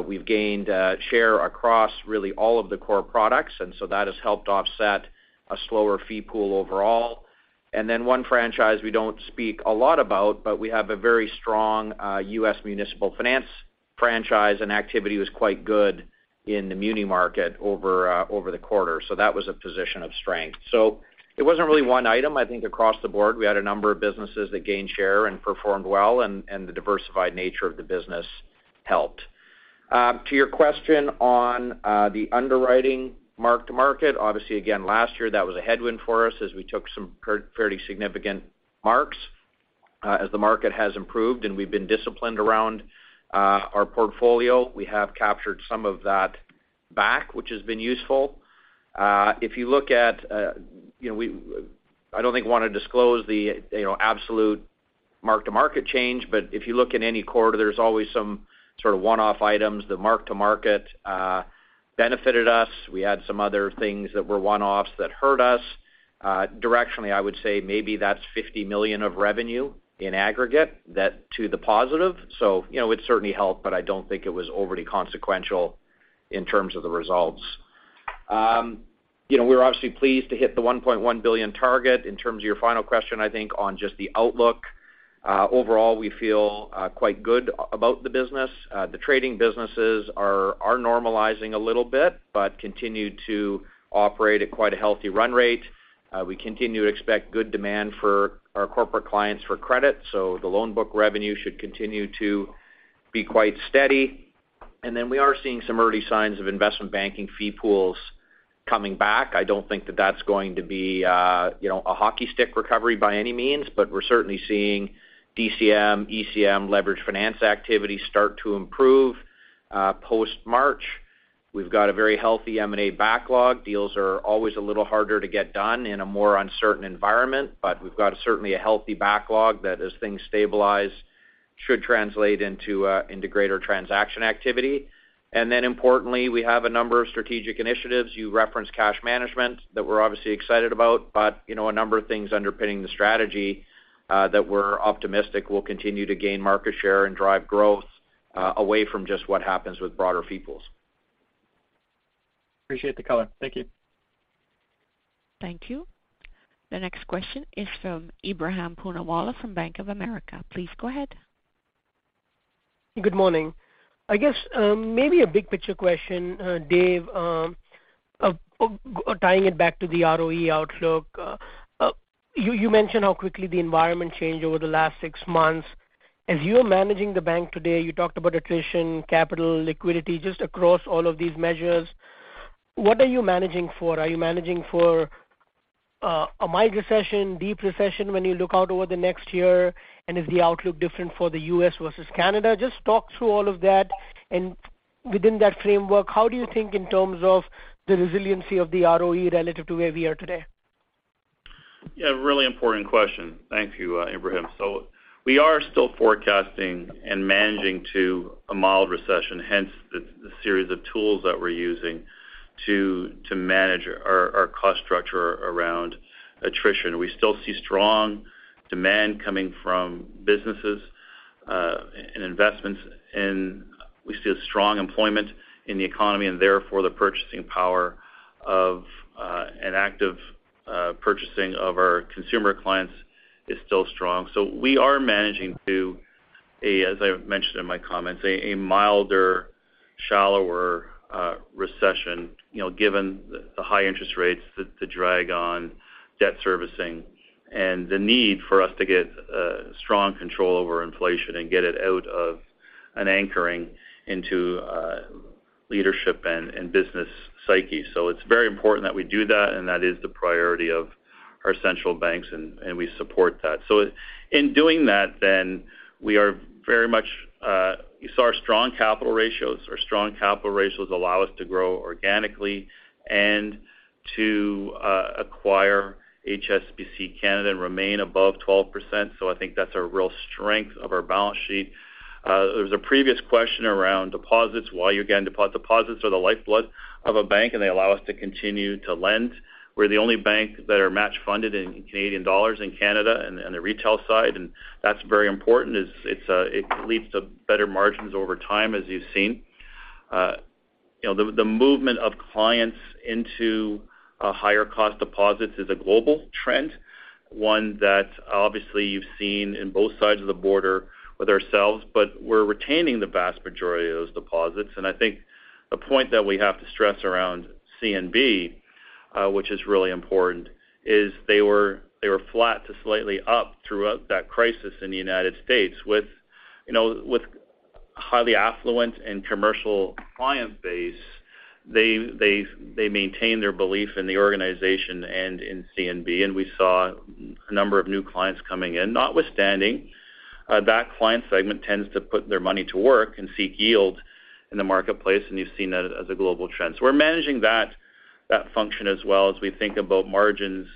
We've gained share across really all of the core products, that has helped offset a slower fee pool overall. One franchise we don't speak a lot about, but we have a very strong U.S. municipal finance franchise, and activity was quite good in the muni market over the quarter. That was a position of strength. It wasn't really one item. I think across the board, we had a number of businesses that gained share and performed well, and the diversified nature of the business helped. To your question on the underwriting mark-to-market, obviously, again, last year, that was a headwind for us as we took some fairly significant marks. As the market has improved and we've been disciplined around our portfolio, we have captured some of that back, which has been useful. If you look at, you know, I don't think we want to disclose the, you know, absolute mark-to-market change, but if you look at any quarter, there's always some sort of one-off items. The mark-to-market benefited us. We had some other things that were one-offs that hurt us. Directionally, I would say maybe that's 50 million of revenue in aggregate, that to the positive. You know, it certainly helped, but I don't think it was overly consequential in terms of the results. You know, we're obviously pleased to hit the 1.1 billion target. In terms of your final question, I think on just the outlook, overall, we feel quite good about the business. The trading businesses are normalizing a little bit, but continue to operate at quite a healthy run rate. We continue to expect good demand for our corporate clients for credit, the loan book revenue should continue to be quite steady. We are seeing some early signs of investment banking fee pools coming back. I don't think that that's going to be, you know, a hockey stick recovery by any means, but we're certainly seeing DCM, ECM, leverage finance activity start to improve post-March. We've got a very healthy M&A backlog. Deals are always a little harder to get done in a more uncertain environment, but we've got certainly a healthy backlog that, as things stabilize, should translate into greater transaction activity. Importantly, we have a number of strategic initiatives. You referenced cash management that we're obviously excited about, but, you know, a number of things underpinning the strategy that we're optimistic will continue to gain market share and drive growth away from just what happens with broader fee pools. Appreciate the color. Thank you. Thank you. The next question is from Ebrahim Poonawala from Bank of America. Please go ahead. Good morning. I guess, maybe a big picture question, Dave, of tying it back to the ROE outlook. You mentioned how quickly the environment changed over the last six months. As you are managing the bank today, you talked about attrition, capital, liquidity, just across all of these measures, what are you managing for? Are you managing for, a mild recession, deep recession, when you look out over the next year? Is the outlook different for the U.S. versus Canada? Just talk through all of that, and within that framework, how do you think in terms of the resiliency of the ROE relative to where we are today? Yeah, really important question. Thank you, Ebrahim. We are still forecasting and managing to a mild recession, hence the series of tools that we're using to manage our cost structure around attrition. We still see strong demand coming from businesses and investments, and we see a strong employment in the economy, and therefore, the purchasing power of an active purchasing of our consumer clients is still strong. We are managing to a, as I mentioned in my comments, a milder, shallower recession, you know, given the high interest rates, the drag on debt servicing and the need for us to get strong control over inflation and get it out of an anchoring into leadership and business psyche. It's very important that we do that, and that is the priority of our central banks, and we support that. In doing that, we are very much. You saw our strong capital ratios. Our strong capital ratios allow us to grow organically and to acquire HSBC Canada and remain above 12%. I think that's a real strength of our balance sheet. There was a previous question around deposits. Why you're getting deposits? Deposits are the lifeblood of a bank, and they allow us to continue to lend. We're the only bank that are match funded in Canadian dollars in Canada and the retail side, and that's very important. It's, it leads to better margins over time, as you've seen. You know, the movement of clients into a higher cost deposits is a global trend, one that obviously you've seen in both sides of the border with ourselves, but we're retaining the vast majority of those deposits. I think the point that we have to stress around CNB, which is really important, is they were flat to slightly up throughout that crisis in the United States. With, you know, with highly affluent and commercial client base, they maintained their belief in the organization and in CNB, and we saw a number of new clients coming in. Notwithstanding, that client segment tends to put their money to work and seek yield in the marketplace, and you've seen that as a global trend. We're managing that function as well as we think about margins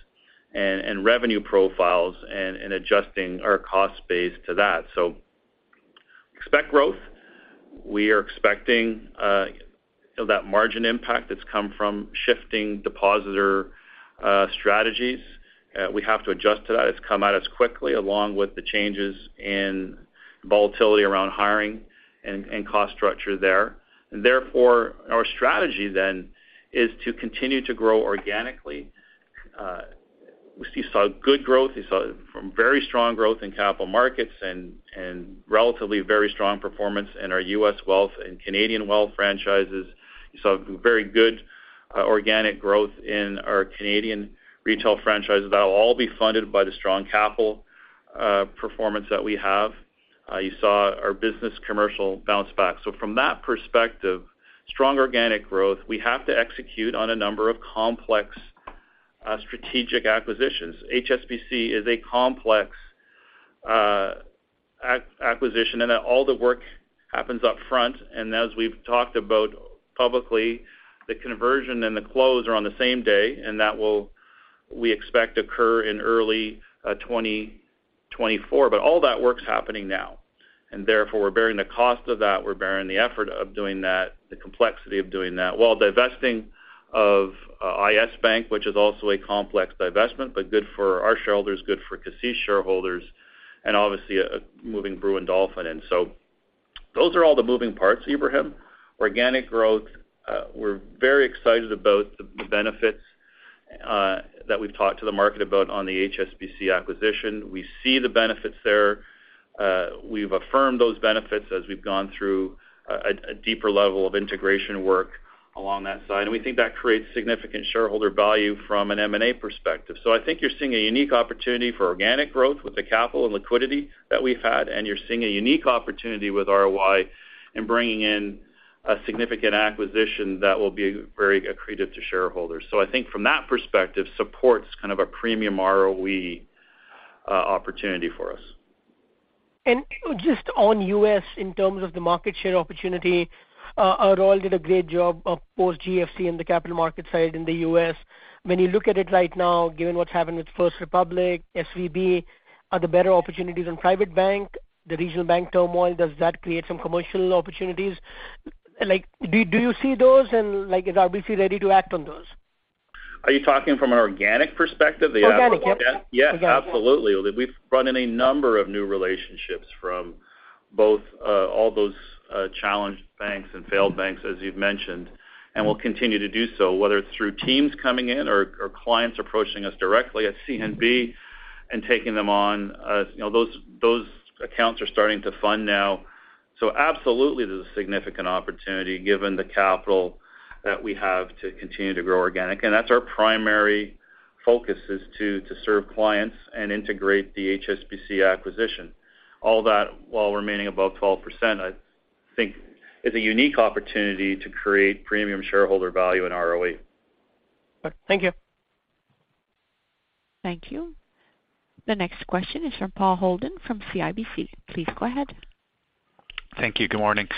and revenue profiles and adjusting our cost base to that. Expect growth. We are expecting that margin impact that's come from shifting depositor strategies. We have to adjust to that. It's come at us quickly, along with the changes in volatility around hiring and cost structure there. Our strategy then is to continue to grow organically. We saw good growth. We saw from very strong growth in Capital Markets and relatively very strong performance in our U.S. Wealth and Canadian Wealth franchises. We saw very good organic growth in our Canadian Retail franchises. That'll all be funded by the strong capital performance that we have. You saw our Business Commercial bounce back. From that perspective, strong organic growth, we have to execute on a number of complex strategic acquisitions. HSBC is a complex acquisition, and that all the work happens upfront. As we've talked about publicly, the conversion and the close are on the same day, and that will, we expect, occur in early 2024. All that work's happening now, and therefore, we're bearing the cost of that. We're bearing the effort of doing that, the complexity of doing that, while divesting of IS Bank, which is also a complex divestment, but good for our shareholders, good for CACEIS shareholders, and obviously, moving Brewin Dolphin in. Those are all the moving parts, Ebrahim. Organic growth, we're very excited about the benefits that we've talked to the market about on the HSBC acquisition. We see the benefits there. We've affirmed those benefits as we've gone through a deeper level of integration work along that side, we think that creates significant shareholder value from an M&A perspective. I think you're seeing a unique opportunity for organic growth with the capital and liquidity that we've had, and you're seeing a unique opportunity with ROI in bringing in a significant acquisition that will be very accretive to shareholders. I think from that perspective, supports kind of a premium ROE opportunity for us. Just on U.S., in terms of the market share opportunity, Arul did a great job of post GFC in the Capital Markets side in the U.S. When you look at it right now, given what's happened with First Republic, SVB, are there better opportunities in private bank, the regional bank turmoil, does that create some commercial opportunities? Like, do you see those, and, like, is RBC ready to act on those? Are you talking from an organic perspective? Organic, yeah. Absolutely. We've brought in a number of new relationships from both, all those, challenged banks and failed banks, as you've mentioned, and we'll continue to do so, whether it's through teams coming in or clients approaching us directly at CNB and taking them on. You know, those accounts are starting to fund now. Absolutely, there's a significant opportunity given the capital that we have to continue to grow organic. That's our primary focus, is to serve clients and integrate the HSBC acquisition. All that while remaining above 12%, I think is a unique opportunity to create premium shareholder value in ROE. Thank you. Thank you. The next question is from Paul Holden, from CIBC. Please go ahead. Thank you. Good morning.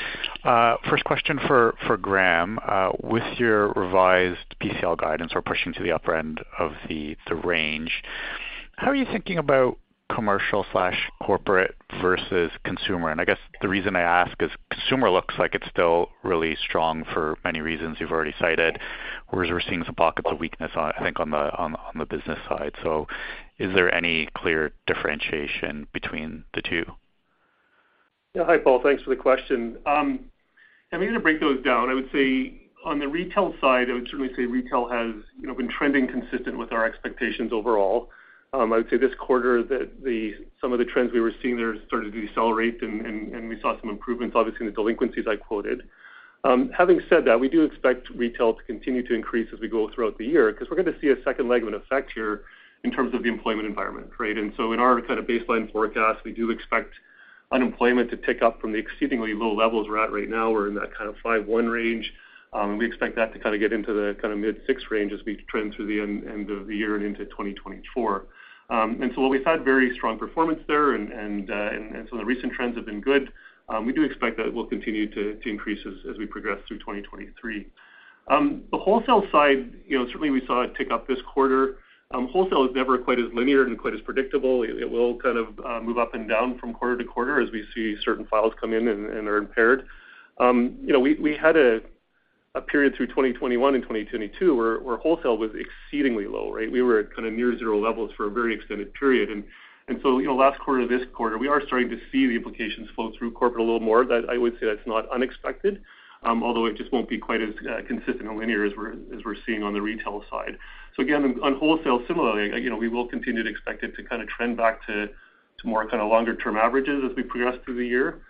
first question for Graeme. with your revised PCL guidance, we're pushing to the upper end of the range. How are you thinking about commercial slash corporate versus consumer? I guess the reason I ask is, consumer looks like it's still really strong for many reasons you've already cited, whereas we're seeing some pockets of weakness I think, on the business side. Is there any clear differentiation between the two? Yeah. Hi, Paul. Thanks for the question. I mean, to break those down, I would say on the retail side, I would certainly say retail has, you know, been trending consistent with our expectations overall. I would say this quarter, that some of the trends we were seeing there started to decelerate, and we saw some improvements, obviously, in the delinquencies I quoted. Having said that, we do expect retail to continue to increase as we go throughout the year because we're going to see a second leg of an effect here in terms of the employment environment, right? In our kind of baseline forecast, we do expect unemployment to tick up from the exceedingly low levels we're at right now. We're in that kind of 5.1% range. We expect that to kind of get into the kind of mid-six range as we trend through the end of the year and into 2024. While we've had very strong performance there, the recent trends have been good, we do expect that it will continue to increase as we progress through 2023. The wholesale side, you know, certainly we saw it tick up this quarter. Wholesale is never quite as linear and quite as predictable. It will kind of move up and down from quarter to quarter as we see certain files come in and are impaired. You know, we had a period through 2021 and 2022, where wholesale was exceedingly low, right? We were at kind of near zero levels for a very extended period. You know, last quarter, this quarter, we are starting to see the implications flow through corporate a little more. That I would say that's not unexpected, although it just won't be quite as consistent or linear as we're seeing on the retail side. Again, on wholesale, similarly, you know, we will continue to expect it to kind of trend back to more kind of longer term averages as we progress through the year.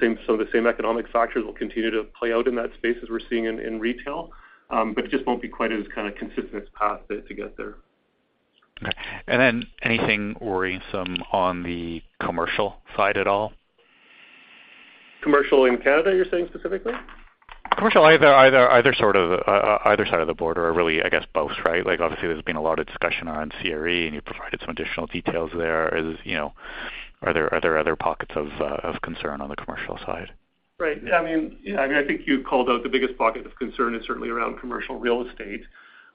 Same, so the same economic factors will continue to play out in that space as we're seeing in retail, but it just won't be quite as kind of consistent path to get there. Okay. Anything worrisome on the commercial side at all? Commercial in Canada, you're saying specifically? Commercial, either sort of, either side of the border or really, I guess, both, right? Like, obviously, there's been a lot of discussion on CRE, and you provided some additional details there. You know, are there other pockets of concern on the commercial side? Right. I mean, yeah, I mean, I think you've called out the biggest pocket of concern is certainly around commercial real estate.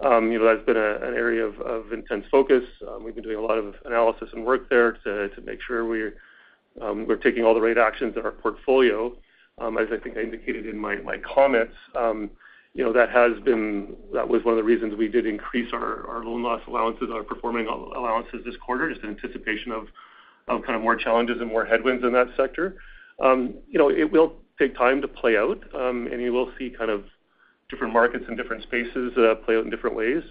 You know, that's been an area of intense focus. We've been doing a lot of analysis and work there to make sure we're taking all the right actions in our portfolio. As I think I indicated in my comments, you know, that was one of the reasons we did increase our loan loss allowances, our performing allowances this quarter, is in anticipation of kind of more challenges and more headwinds in that sector. You know, it will take time to play out, and you will see kind of different markets and different spaces play out in different ways.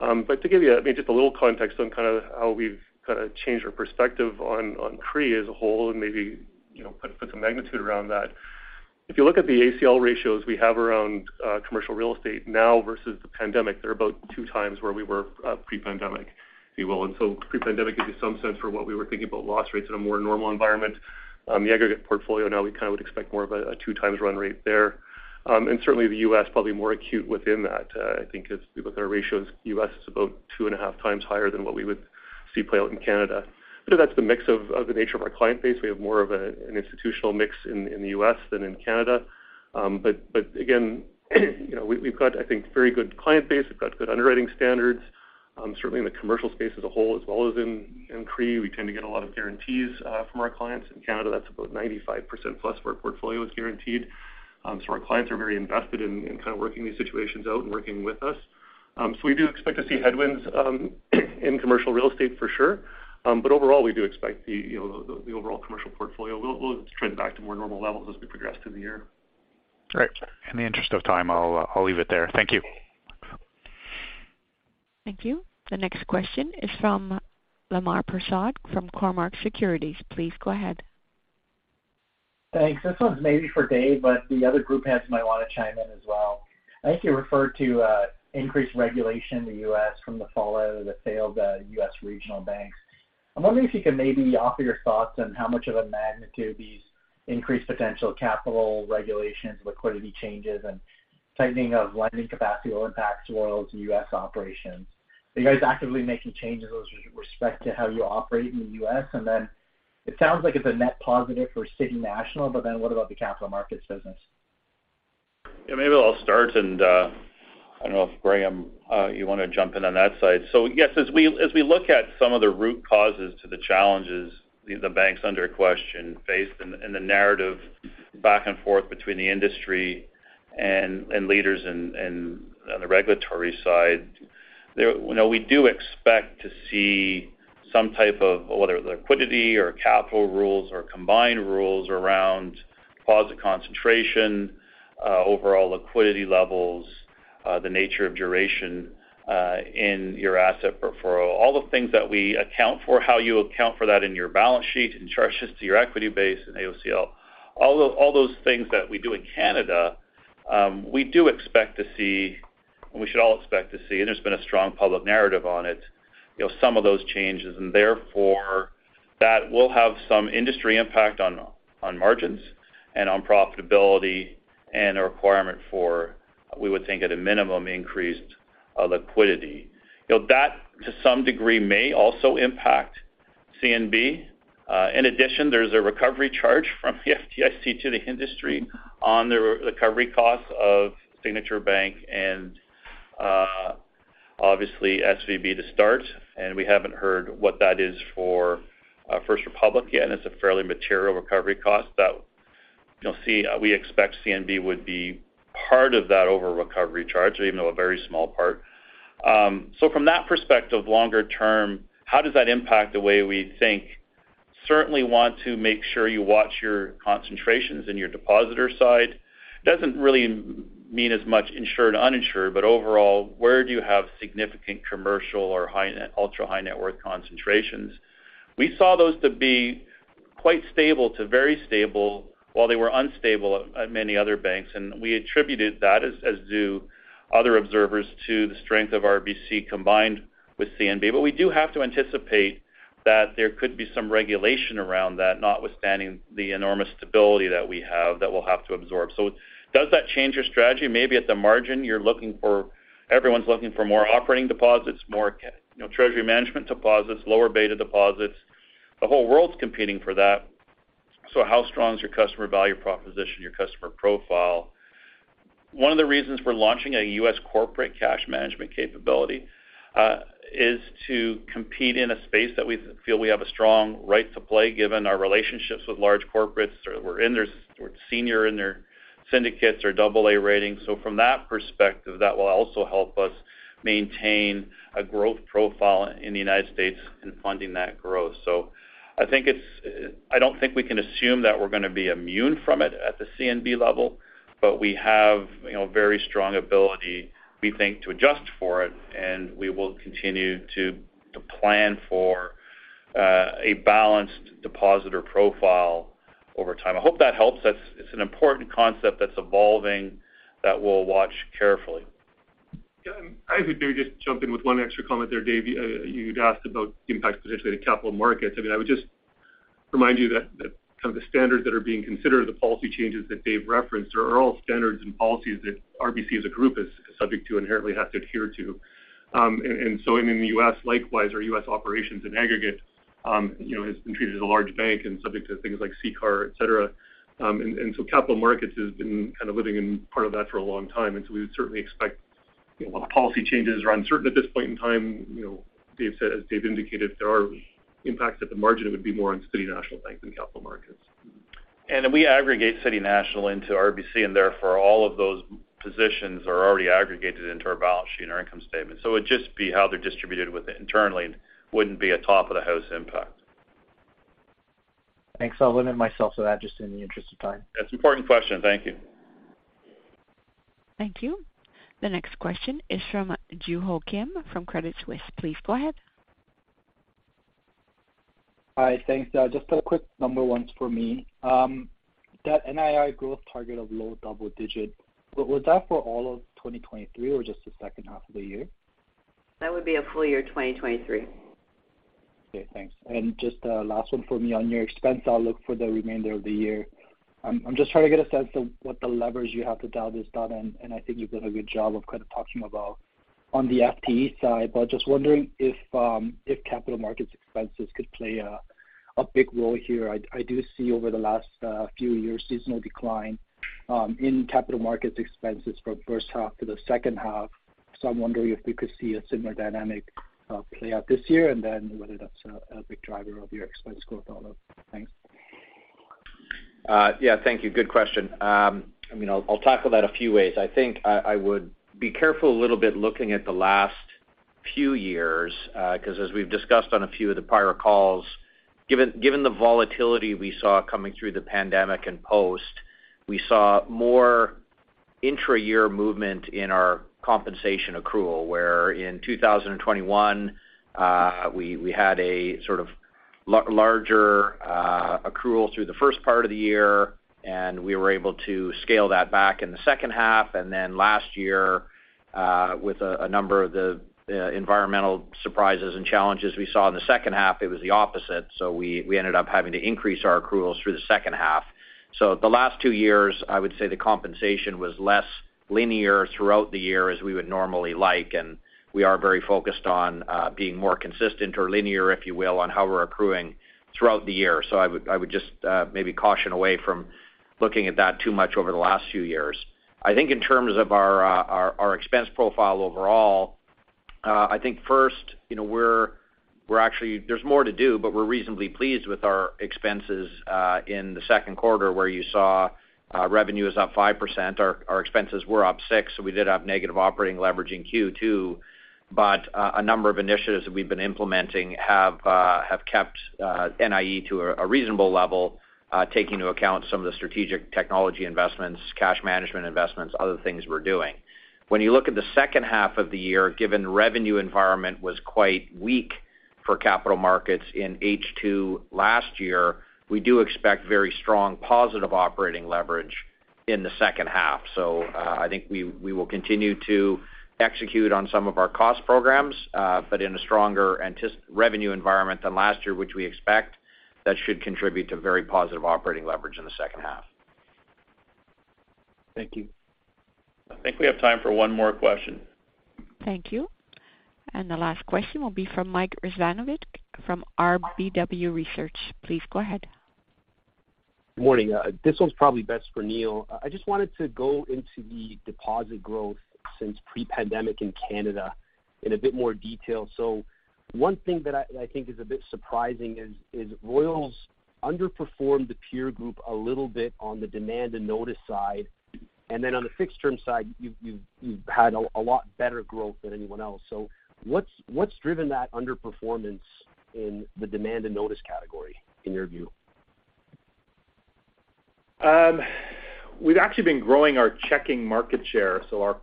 To give you, I mean, just a little context on kind of how we've kind of changed our perspective on CRE as a whole and maybe, you know, put some magnitude around that. If you look at the ACL ratios we have around commercial real estate now versus the pandemic, they're about two times where we were pre-pandemic, if you will. Pre-pandemic gives you some sense for what we were thinking about loss rates in a more normal environment. The aggregate portfolio now, we kind of would expect more of a two times run rate there. And certainly, the U.S. probably more acute within that. I think as we look at our ratios, U.S. is about 2.5 times higher than what we would see play out in Canada. That's the mix of the nature of our client base. We have more of an institutional mix in the U.S. than in Canada. Again, you know, we've got, I think, very good client base. We've got good underwriting standards, certainly in the commercial space as a whole, as well as in CRE. We tend to get a lot of guarantees from our clients. In Canada, that's about 95% plus of our portfolio is guaranteed. Our clients are very invested in kind of working these situations out and working with us. We do expect to see headwinds in commercial real estate for sure. Overall, we do expect the, you know, the overall commercial portfolio will trend back to more normal levels as we progress through the year. Great. In the interest of time, I'll leave it there. Thank you. Thank you. The next question is from Lemar Persaud from Cormark Securities. Please go ahead. Thanks. This one's maybe for Dave, but the other group heads might want to chime in as well. I think you referred to increased regulation in the U.S. from the fallout of the failed U.S. regional banks. I'm wondering if you could maybe offer your thoughts on how much of a magnitude these increased potential capital regulations, liquidity changes, and tightening of lending capacity will impact Royal's U.S. operations. Are you guys actively making changes with respect to how you operate in the U.S.? It sounds like it's a net positive for City National, but then what about the Capital Markets business? Yeah, maybe I'll start, and, I don't know if, Graeme, you want to jump in on that side. Yes, as we look at some of the root causes to the challenges the bank's under question faced and the narrative back and forth between the industry and leaders and on the regulatory side, there. You know, we do expect to see some type of whether liquidity or capital rules or combined rules around deposit concentration, overall liquidity levels, the nature of duration, in your asset portfolio. All the things that we account for, how you account for that in your balance sheet in charges to your equity base and ACL, all those things that we do in Canada, we do expect to see, we should all expect to see. There's been a strong public narrative on it, you know, some of those changes. Therefore, that will have some industry impact on margins and on profitability and a requirement for, we would think, at a minimum, increased liquidity. You know, that, to some degree, may also impact CNB. In addition, there's a recovery charge from the FDIC to the industry on the recovery costs of Signature Bank and, obviously, SVB to start. We haven't heard what that is for First Republic yet. It's a fairly material recovery cost that, you'll see, we expect CNB would be part of that over recovery charge, even though a very small part. From that perspective, longer term, how does that impact the way we think? Certainly want to make sure you watch your concentrations in your depositor side. Doesn't really mean as much insured, uninsured, but overall, where do you have significant commercial or ultra high net worth concentrations? We saw those to be quite stable to very stable, while they were unstable at many other banks, and we attributed that, as do other observers, to the strength of RBC combined with CNB. We do have to anticipate that there could be some regulation around that, notwithstanding the enormous stability that we have, that we'll have to absorb. Does that change your strategy? Maybe at the margin, everyone's looking for more operating deposits, more, you know, treasury management deposits, lower beta deposits. The whole world's competing for that. How strong is your customer value proposition, your customer profile? One of the reasons we're launching a U.S. corporate cash management capability. is to compete in a space that we feel we have a strong right to play, given our relationships with large corporates, or we're senior in their syndicates or double A ratings. From that perspective, that will also help us maintain a growth profile in the United States and funding that growth. I don't think we can assume that we're going to be immune from it at the CNB level, but we have, you know, very strong ability, we think, to adjust for it, and we will continue to plan for a balanced depositor profile over time. I hope that helps. That's an important concept that's evolving, that we'll watch carefully. Yeah, I would maybe just jump in with one extra comment there, Dave. You'd asked about the impact potentially to Capital Markets. I mean, I would just remind you that kind of the standards that are being considered, or the policy changes that Dave referenced, are all standards and policies that RBC as a group is subject to, inherently have to adhere to. In the U.S., likewise, our U.S. operations in aggregate, you know, has been treated as a large bank and subject to things like CCAR, et cetera. Capital Markets has been kind of living in part of that for a long time, and so we would certainly expect, you know, while the policy changes are uncertain at this point in time, you know, Dave said, as Dave indicated, there are impacts at the margin, it would be more on City National Bank than Capital Markets. We aggregate City National into RBC, and therefore, all of those positions are already aggregated into our balance sheet and our income statement. It'd just be how they're distributed with it internally, wouldn't be a top-of-the-house impact. Thanks. I'll limit myself to that just in the interest of time. That's an important question. Thank you. Thank you. The next question is from Joo-Ho Kim from Credit Suisse. Please go ahead. Hi, thanks. Just a quick number ones for me. That NII growth target of low double digit, was that for all of 2023 or just the second half of the year? That would be a full year, 2023. Okay, thanks. Just last one for me. On your expense outlook for the remainder of the year, I'm just trying to get a sense of what the levers you have to dial this down, and I think you've done a good job of kind of talking about on the FTE side. Just wondering if Capital Markets expenses could play a big role here. I do see over the last few years, seasonal decline in Capital Markets expenses from first half to the second half. I'm wondering if we could see a similar dynamic play out this year, and then whether that's a big driver of your expense growth outlook. Thanks. Yeah, thank you. Good question. You know, I'll talk about a few ways. I think I would be careful a little bit looking at the last few years, because as we've discussed on a few of the prior calls, given the volatility we saw coming through the pandemic and post, we saw more intra-year movement in our compensation accrual, where in 2021, we had a sort of larger accrual through the first part of the year, and we were able to scale that back in the second half. Last year, with a number of the environmental surprises and challenges we saw in the second half, it was the opposite. We ended up having to increase our accruals through the second half. The last two years, I would say the compensation was less linear throughout the year as we would normally like, and we are very focused on being more consistent or linear, if you will, on how we're accruing throughout the year. I would just maybe caution away from looking at that too much over the last few years. I think in terms of our expense profile overall, I think first, you know, we're actually there's more to do, but we're reasonably pleased with our expenses in the second quarter, where you saw revenue is up 5%. Our expenses were up 6%, so we did have negative operating leverage in Q2. A number of initiatives that we've been implementing have kept NIE to a reasonable level, taking into account some of the strategic technology investments, cash management investments, other things we're doing. When you look at the second half of the year, given the revenue environment was quite weak for Capital Markets in H2 last year, we do expect very strong positive operating leverage in the second half. I think we will continue to execute on some of our cost programs, but in a stronger NII revenue environment than last year, which we expect, that should contribute to very positive operating leverage in the second half. Thank you. I think we have time for one more question. Thank you. The last question will be from Mike Rizvanovic from KBW Research. Please go ahead. Good morning. This one's probably best for Neil. I just wanted to go into the deposit growth since pre-pandemic in Canada in a bit more detail. One thing that I think is a bit surprising is Royals underperformed the peer group a little bit on the demand and notice side, and then on the fixed-term side, you've had a lot better growth than anyone else. What's driven that underperformance in the demand and notice category, in your view? We've actually been growing our checking market share. Our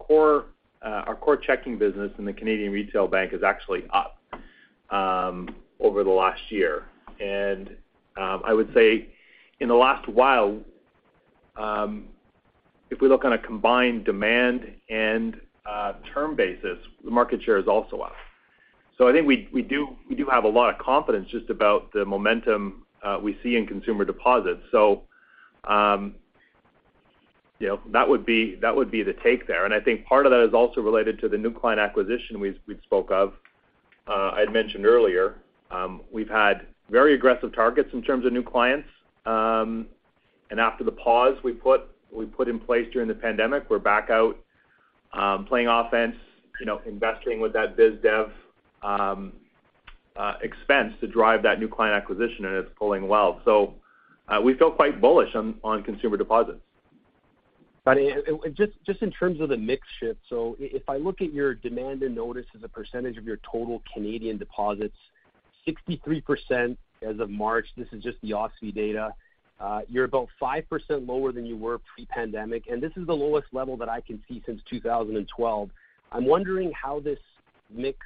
core checking business in the Canadian Retail Bank is actually up over the last year. I would say in the last while, if we look on a combined demand and term basis, the market share is also up. I think we do have a lot of confidence just about the momentum we see in consumer deposits. You know, that would be the take there. I think part of that is also related to the new client acquisition we spoke of. I'd mentioned earlier, we've had very aggressive targets in terms of new clients.... After the pause we put in place during the pandemic, we're back out, playing offense, you know, investing with that biz dev, expense to drive that new client acquisition, and it's pulling well. We feel quite bullish on consumer deposits. Just in terms of the mix shift, so if I look at your demand and notice as a percentage of your total Canadian deposits, 63% as of March, this is just the OSFI data. You're about 5% lower than you were pre-pandemic, and this is the lowest level that I can see since 2012. I'm wondering how this mix,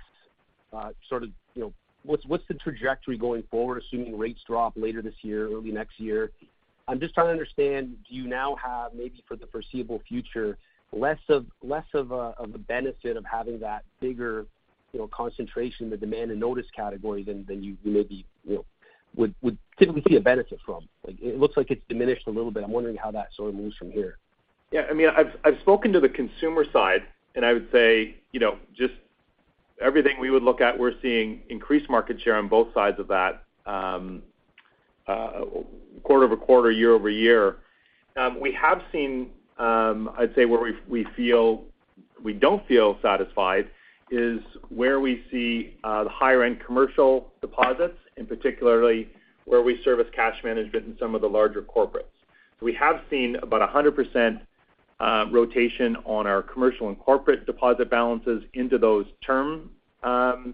sort of, you know, what's the trajectory going forward, assuming rates drop later this year or early next year? I'm just trying to understand, do you now have, maybe for the foreseeable future, less of a, of the benefit of having that bigger, you know, concentration in the demand and notice category than you maybe, you know, would typically see a benefit from? Like, it looks like it's diminished a little bit. I'm wondering how that sort of moves from here. Yeah, I mean, I've spoken to the consumer side, and I would say, you know, just everything we would look at, we're seeing increased market share on both sides of that, quarter-over-quarter, year-over-year. We have seen, I'd say where we don't feel satisfied, is where we see the higher end commercial deposits, and particularly where we service cash management in some of the larger corporates. We have seen about 100% rotation on our commercial and corporate deposit balances into those term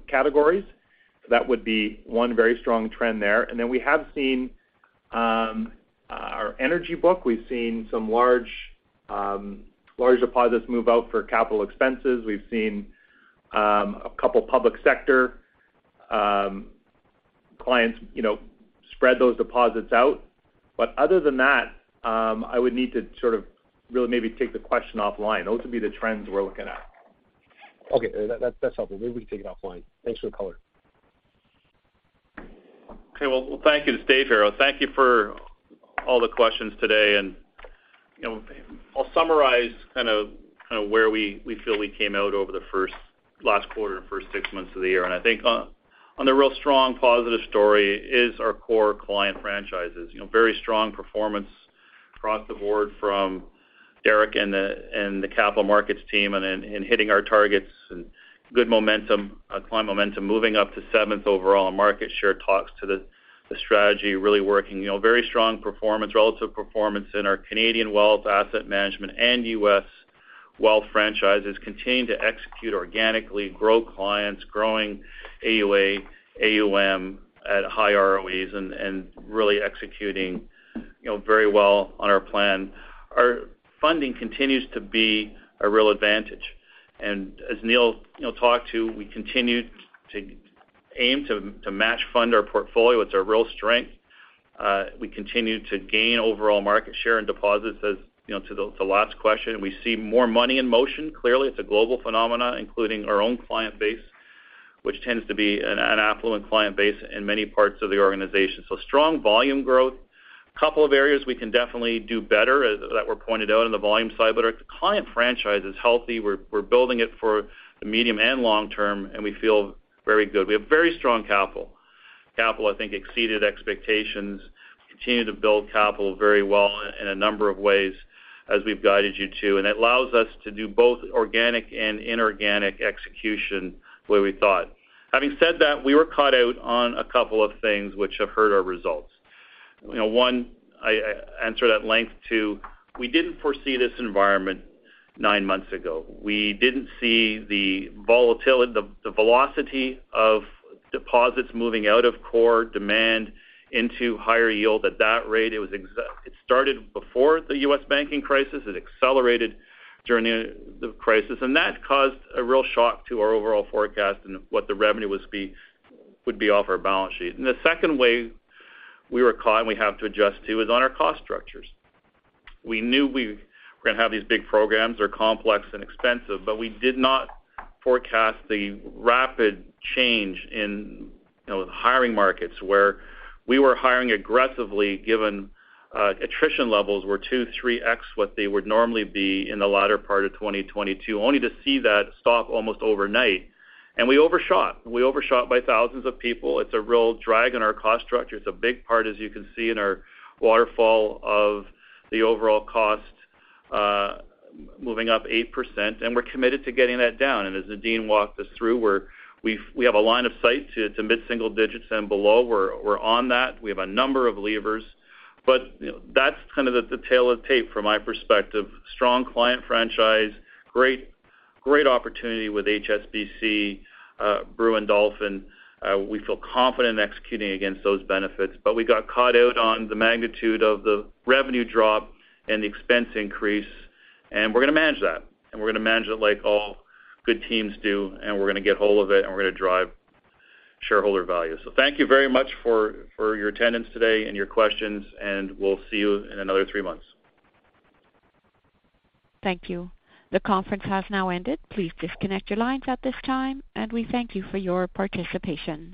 categories. That would be one very strong trend there. Then we have seen our energy book. We've seen some large deposits move out for capital expenses. We've seen a couple of public sector clients, you know, spread those deposits out. Other than that, I would need to sort of really maybe take the question offline. Those would be the trends we're looking at. Okay, that's helpful. Maybe we can take it offline. Thanks for the color. Okay, well, thank you. It;s Dave here. Thank you for all the questions today. You know, I'll summarize kind of, kind of where we feel we came out over the first last quarter and first six months of the year. I think on the real strong positive story is our core client franchises. You know, very strong performance across the board from Derek and the, and the Capital Markets team, and then in hitting our targets, and good momentum, client momentum, moving up to seventh overall, and market share talks to the strategy really working. You know, very strong performance, relative performance in our Canadian Wealth, Asset Management, and U.S. Wealth franchises. Continue to execute organically, grow clients, growing AUA, AUM at high ROEs and really executing, you know, very well on our plan. Our funding continues to be a real advantage. As Neil, you know, talked to, we continued to aim to match fund our portfolio. It's our real strength. We continued to gain overall market share and deposits, as, you know, to the last question. We see more money in motion. Clearly, it's a global phenomena, including our own client base, which tends to be an affluent client base in many parts of the organization. Strong volume growth. A couple of areas we can definitely do better, as that were pointed out on the volume side, but our client franchise is healthy. We're building it for the medium and long term, and we feel very good. We have very strong capital. Capital, I think, exceeded expectations. Continue to build capital very well in a number of ways as we've guided you to, and it allows us to do both organic and inorganic execution the way we thought. Having said that, we were caught out on a couple of things which have hurt our results. You know, one, I answer that length to, we didn't foresee this environment nine months ago. We didn't see the velocity of deposits moving out of core demand into higher yield at that rate. It started before the U.S. banking crisis. It accelerated during the crisis, and that caused a real shock to our overall forecast and what the revenue would be off our balance sheet. The second way we were caught, and we have to adjust to, is on our cost structures. We knew we were going to have these big programs are complex and expensive, but we did not forecast the rapid change in, you know, the hiring markets, where we were hiring aggressively, given attrition levels were 2x, 3x what they would normally be in the latter part of 2022, only to see that stop almost overnight. We overshot. We overshot by thousands of people. It's a real drag on our cost structure. It's a big part, as you can see, in our waterfall of the overall cost, moving up 8%, and we're committed to getting that down. As Nadine walked us through, we have a line of sight to mid-single digits and below. We're on that. We have a number of levers, but, you know, that's kind of the tale of tape from my perspective. Strong client franchise, great opportunity with HSBC, Brewin Dolphin. We feel confident in executing against those benefits. We got caught out on the magnitude of the revenue drop and the expense increase. We're going to manage that. We're going to manage it like all good teams do. We're going to get hold of it. We're going to drive shareholder value. Thank you very much for your attendance today and your questions. We'll see you in another three months. Thank you. The conference has now ended. Please disconnect your lines at this time, and we thank you for your participation.